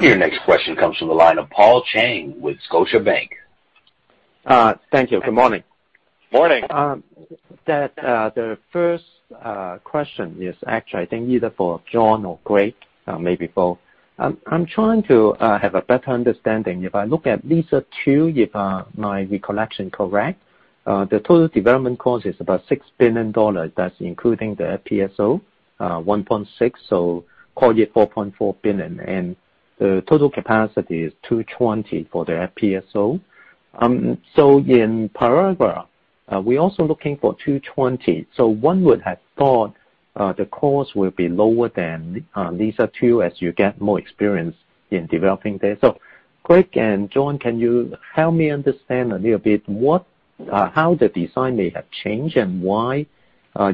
Your next question comes from the line of Paul Cheng with Scotiabank. Thank you. Good morning. Morning. The first question is actually, I think either for John or Greg, maybe both. I'm trying to have a better understanding if I look at these two, if my recollection correct, the total development cost is about $6 billion hat's including the FPSO, $1.6 billion, so call it $4.4 billion. The total capacity is 220 for the FPSO. In Payara, we're also looking for 220 so one would have thought the cost will be lower than Liza Phase 2 as you get more experience in developing there. Greg and John, can you help me understand a little bit how the design may have changed, and why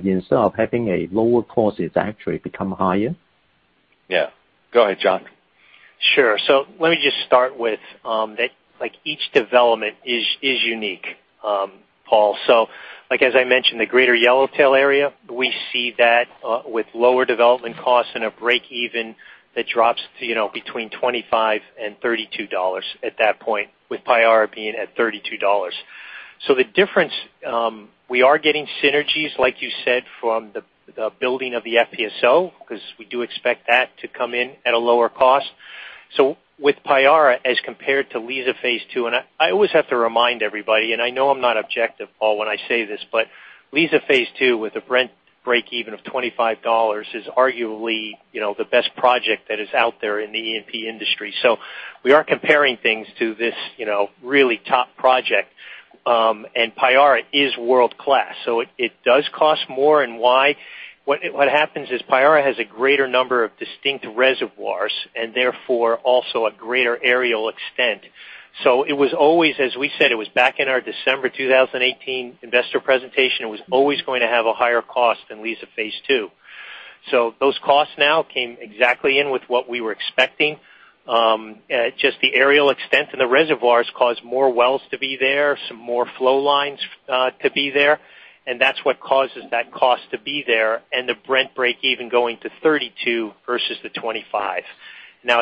instead of having lower costs, it's actually become higher? Yeah. Go ahead, John. Sure. Let me just start with that each development is unique, Paul so, as I mentioned, the greater Yellowtail area, we see that with lower development costs and a break even that drops to between $25 and $32 at that point, with Payara being at $32. The difference, we are getting synergies, like you said, from the building of the FPSO, because we do expect that to come in at a lower cost. With Payara as compared to Liza Phase 2, and I always have to remind everybody, and I know I'm not objective, Paul, when I say this, but Liza Phase 2, with a Brent break even of $25, is arguably the best project that is out there in the E&P industry. We are comparing things to this really top project, and Payara is world-class so it does cost more and why? What happens is Payara has a greater number of distinct reservoirs, and therefore also a greater areal extent. It was always, as we said, it was back in our December 2018 investor presentation, it was always going to have a higher cost than Liza Phase 2. Those costs now came exactly in with what we were expecting. Just the areal extent in the reservoirs caused more wells to be there, some more flow lines to be there, and that's what causes that cost to be there, and the Brent break even going to $32 versus the $25.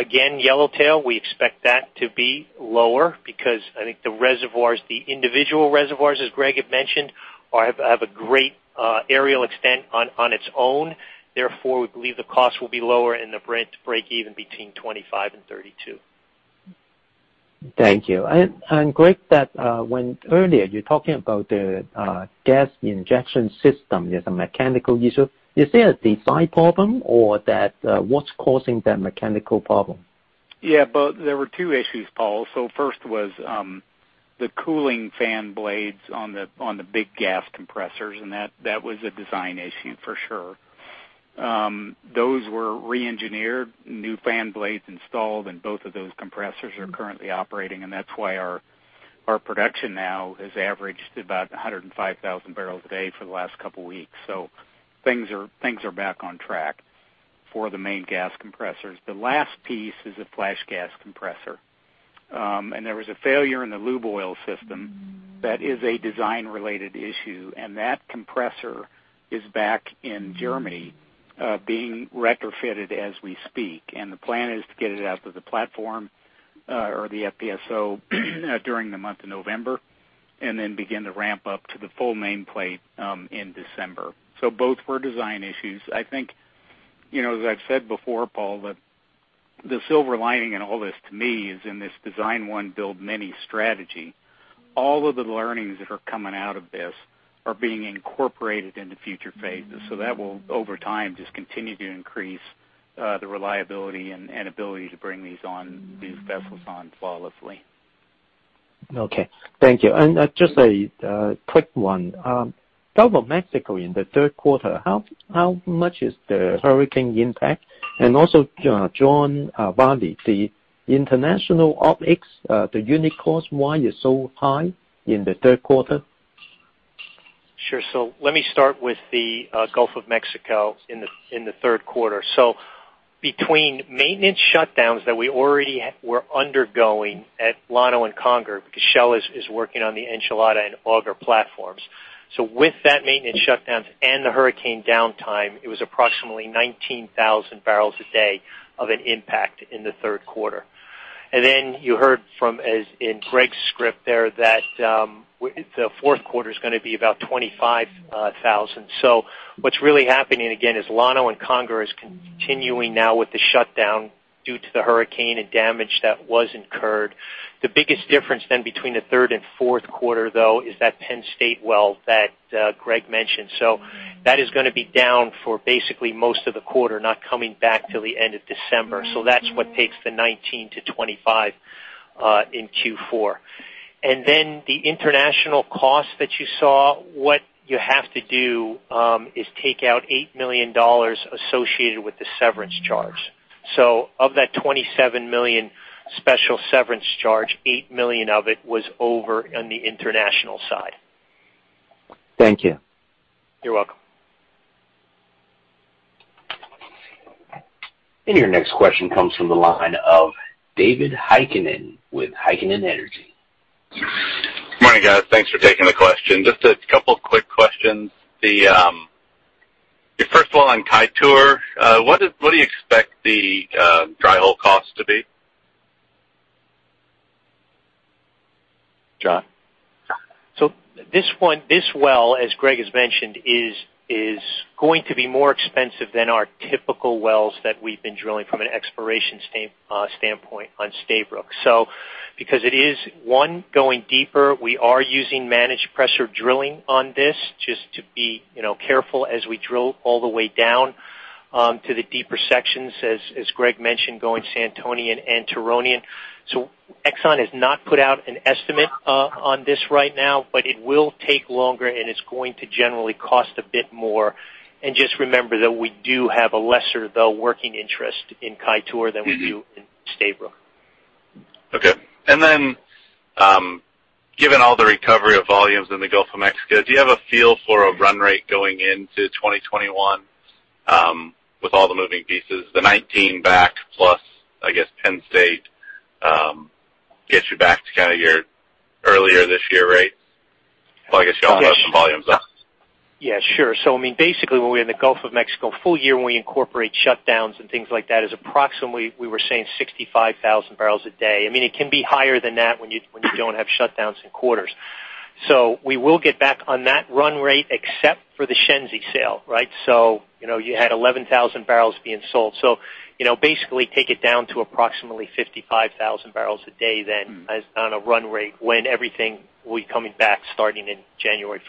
Again, Yellowtail, we expect that to be lower because I think the reservoirs, the individual reservoirs, as Greg had mentioned, have a great areal extent on its own. We believe the cost will be lower and the Brent break even between $25 and $32. Thank you. Greg, that when earlier you're talking about the gas injection system, there's a mechanical issue. Is there a design problem? or what's causing that mechanical problem? Yeah, there were two issues, Paul so first was the cooling fan blades on the big gas compressors, and that was a design issue for sure. Those were re-engineered, new fan blades installed, and both of those compressors are currently operating, and that's why our production now has averaged about 105,000bbl a day for the last couple weeks. Things are back on track for the main gas compressors the last piece is the flash gas compressor. There was a failure in the lube oil system that is a design-related issue, and that compressor is back in Germany being retrofitted as we speak and the plan is to get it out to the platform, or the FPSO, during the month of November, and then begin to ramp up to the full nameplate in December. Both were design issues i think, as I've said before, Paul, that the silver lining in all this to me is in this design one, build many strategy. All of the learnings that are coming out of this are being incorporated into future phases that will, over time, just continue to increase the reliability and ability to bring these vessels on flawlessly. Okay. Thank you. Just a quick one. Gulf of Mexico in the Q3, how much is the hurricane impact? Also, John Rielly, the international OpEx, the unit cost, why it's so high in the Q3? Sure. Let me start with the Gulf of Mexico in the Q3. Between maintenance shutdowns that we already were undergoing at Llano and Conger, because Shell is working on the Enchilada and Auger platforms. With that maintenance shutdowns and the hurricane downtime, it was approximately 19,000bbl a day of an impact in the Q3. You heard in Greg's script there that the Q4's going to be about 25,000bbl. What's really happening again is Llano and Conger is continuing now with the shutdown due to the hurricane and damage that was incurred. The biggest difference then between the Q3 and Q4, though, is that Penn State well that Greg mentioned. That is going to be down for basically most of the quarter, not coming back till the end of December so that's what takes the 19-25 in Q4. The international cost that you saw, what you have to do is take out $8 million associated with the severance charge. Of that $27 million special severance charge, $8 million of it was over on the international side. Thank you. You're welcome. Your next question comes from the line of David Heikkinen with Heikkinen Energy. Good morning, guys thanks for taking the question just a couple of quick questions. First of all, on Kaieteur, what do you expect the dry hole cost to be? John? This well, as Greg has mentioned, is going to be more expensive than our typical wells that we've been drilling from an exploration standpoint on Stabroek. It is, one, going deeper we are using managed pressure drilling on this just to be careful as we drill all the way down to the deeper sections, as Greg mentioned, going Santonian and Turonian. Exxon has not put out an estimate on this right now, but it will take longer, and it's going to generally cost a bit more. Just remember that we do have a lesser, though working interest in Kaieteur than we do in Stabroek. Okay. Given all the recovery of volumes in the Gulf of Mexico, do you have a feel for a run rate going into 2021? with all the moving pieces the 2019 back plus, I guess Penn State, gets you back to kind of your earlier this year rates. I guess you all have some volumes up. Yeah, sure basically, when we're in the Gulf of Mexico full year, when we incorporate shutdowns and things like that, is approximately, we were saying 65,000bbl a day. It can be higher than that when you don't have shutdowns in quarters. We will get back on that run rate except for the Shenzi sale right? You had 11,000bbl being sold so, basically, take it down to approximately 55,000bbl a day then as on a run rate when everything will be coming back starting in 1 January.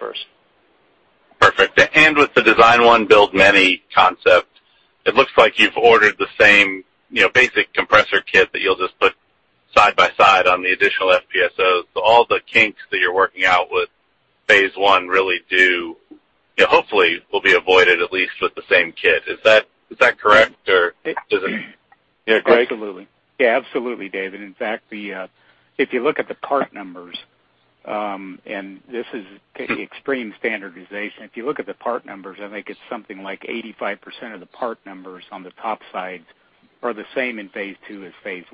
Perfect. With the design one build many concept, it looks like you've ordered the same basic compressor kit that you'll just put side by side on the additional FPSOs all the kinks that you're working out with Phase 1 really do, hopefully, will be avoided, at least with the same kit is that correct? or Yeah, Greg? Absolutely. Yeah, absolutely, David in fact, if you look at the part numbers, and this is taking extreme standardization if you look at the part numbers, I think it's something like 85% of the part numbers on the top side are the same in Phase 2 as Phase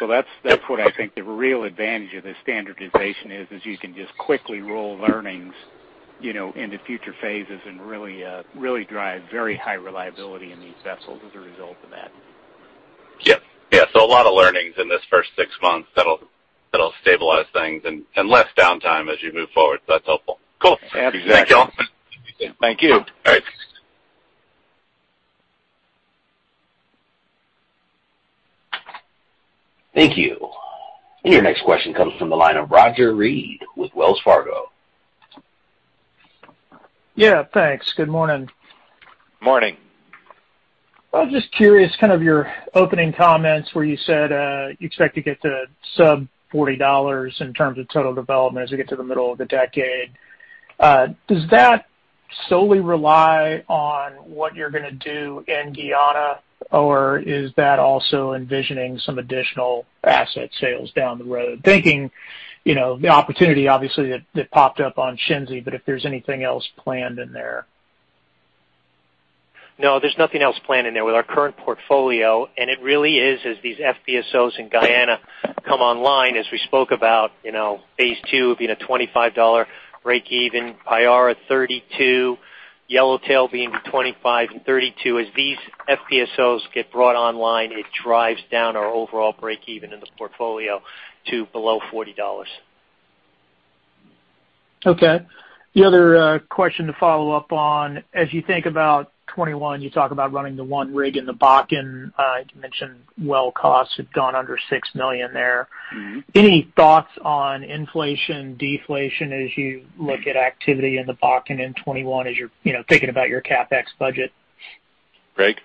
1. That's what I think the real advantage of this standardization is you can just quickly roll learnings into future phases and really drive very high reliability in these vessels as a result of that. Yeah. A lot of learnings in this first six months that'll stabilize things and less downtime as you move forward that's helpful. Cool. Absolutely. Thank you all. Thank you. All right. Thank you. Your next question comes from the line of Roger Read with Wells Fargo. Yeah, thanks. Good morning. Morning. I was just curious, kind of your opening comments where you said, you expect to get to sub $40 in terms of total development as we get to the middle of the decade. Does that solely rely on what you're going to do in Guyana? Is that also envisioning some additional asset sales down the road thinking, the opportunity obviously that popped up on Shenzi, but if there's anything else planned in there. No, there's nothing else planned in there. With our current portfolio, it really is as these FPSOs in Guyana come online, as we spoke about, Phase 2 being a $25 breakeven, Payara $32, Yellowtail being $25 and $32 as these FPSOs get brought online, it drives down our overall breakeven in this portfolio to below $40. Okay. The other question to follow up on, as you think about 2021, you talk about running the one rig in the Bakken. You mentioned well costs have gone under $6 million there. Any thoughts on inflation, deflation as you look at activity in the Bakken in 2021 as you're thinking about your CapEx budget? Greg?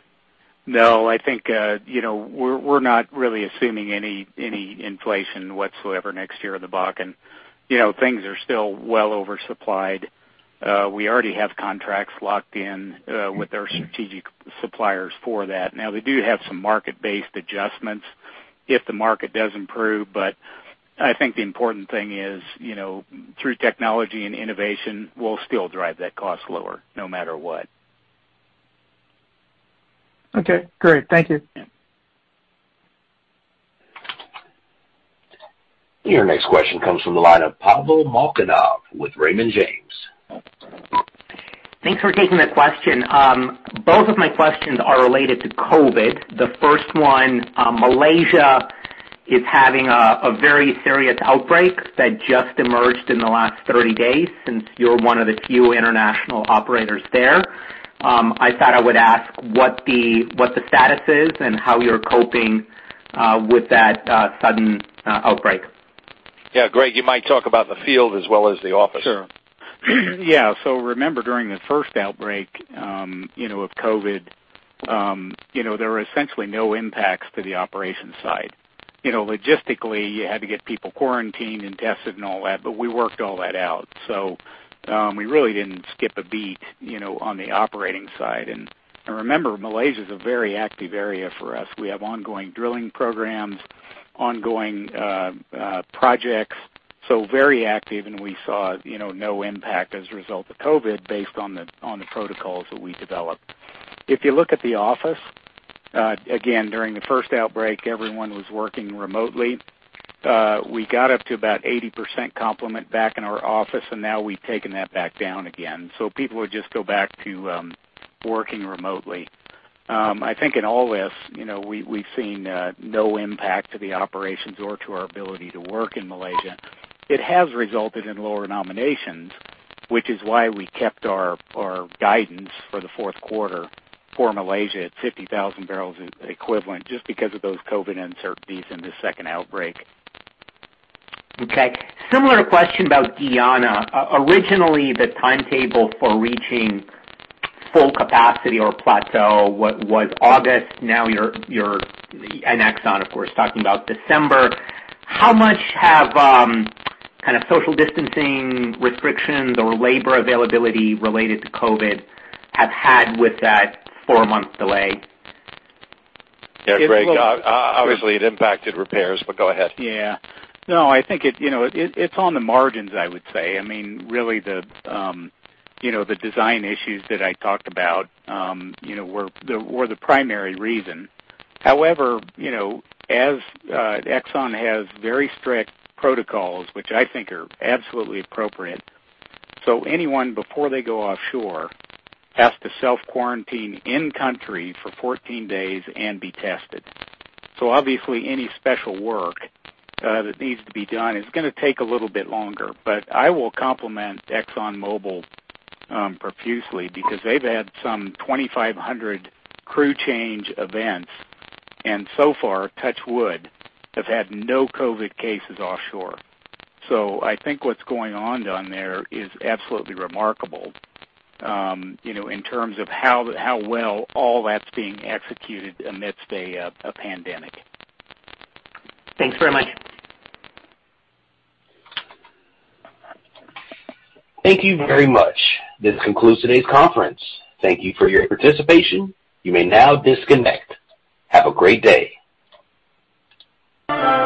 No, I think, we're not really assuming any inflation whatsoever next year in the Bakken. Things are still well oversupplied. We already have contracts locked in with our strategic suppliers for that now they do have some market-based adjustments if the market does improve, I think the important thing is, through technology and innovation, we'll still drive that cost lower no matter what. Okay, great. Thank you. Your next question comes from the line of Pavel Molchanov with Raymond James. Thanks for taking the question. Both of my questions are related to COVID. The first one, Malaysia is having a very serious outbreak that just emerged in the last 30 days since you're one of the few international operators there, I thought I would ask what the status is and how you're coping with that sudden outbreak. Yeah, Greg, you might talk about the field as well as the office. Sure. Yeah remember during the first outbreak of COVID, there were essentially no impacts to the operations side. Logistically, you had to get people quarantined and tested and all that, we worked all that out. We really didn't skip a beat on the operating side. Remember, Malaysia's a very active area for us we have ongoing drilling programs, ongoing projects, very active, we saw no impact as a result of COVID based on the protocols that we developed. If you look at the office, again, during the first outbreak, everyone was working remotely. We got up to about 80% complement back in our office, now we've taken that back down again so people would just go back to working remotely. I think in all this, we've seen no impact to the operations or to our ability to work in Malaysia. It has resulted in lower nominations, which is why we kept our guidance for the Q4 for Malaysia at 50,000bbl equivalent, just because of those COVID uncertainties and the second outbreak. Okay. Similar question about Guyana. Originally, the timetable for reaching full capacity or plateau was August now you're, and Exxon of course, talking about December. How much have kind of social distancing restrictions or labor availability related to COVID have had with that four-month delay? Yeah, Greg, obviously it impacted repairs, but go ahead. Yeah. No, I think it's on the margins, I would say i mean, really the design issues that I talked about were the primary reason. As Exxon has very strict protocols, which I think are absolutely appropriate. Anyone, before they go offshore, has to self-quarantine in-country for 14 days and be tested. I will compliment ExxonMobil profusely because they've had some 2,500 crew change events, and so far, touch wood, have had no COVID cases offshore. I think what's going on down there is absolutely remarkable in terms of how well all that's being executed amidst a pandemic. Thanks very much. Thank you very much. This concludes today's conference. Thank you for your participation. You may now disconnect. Have a great day.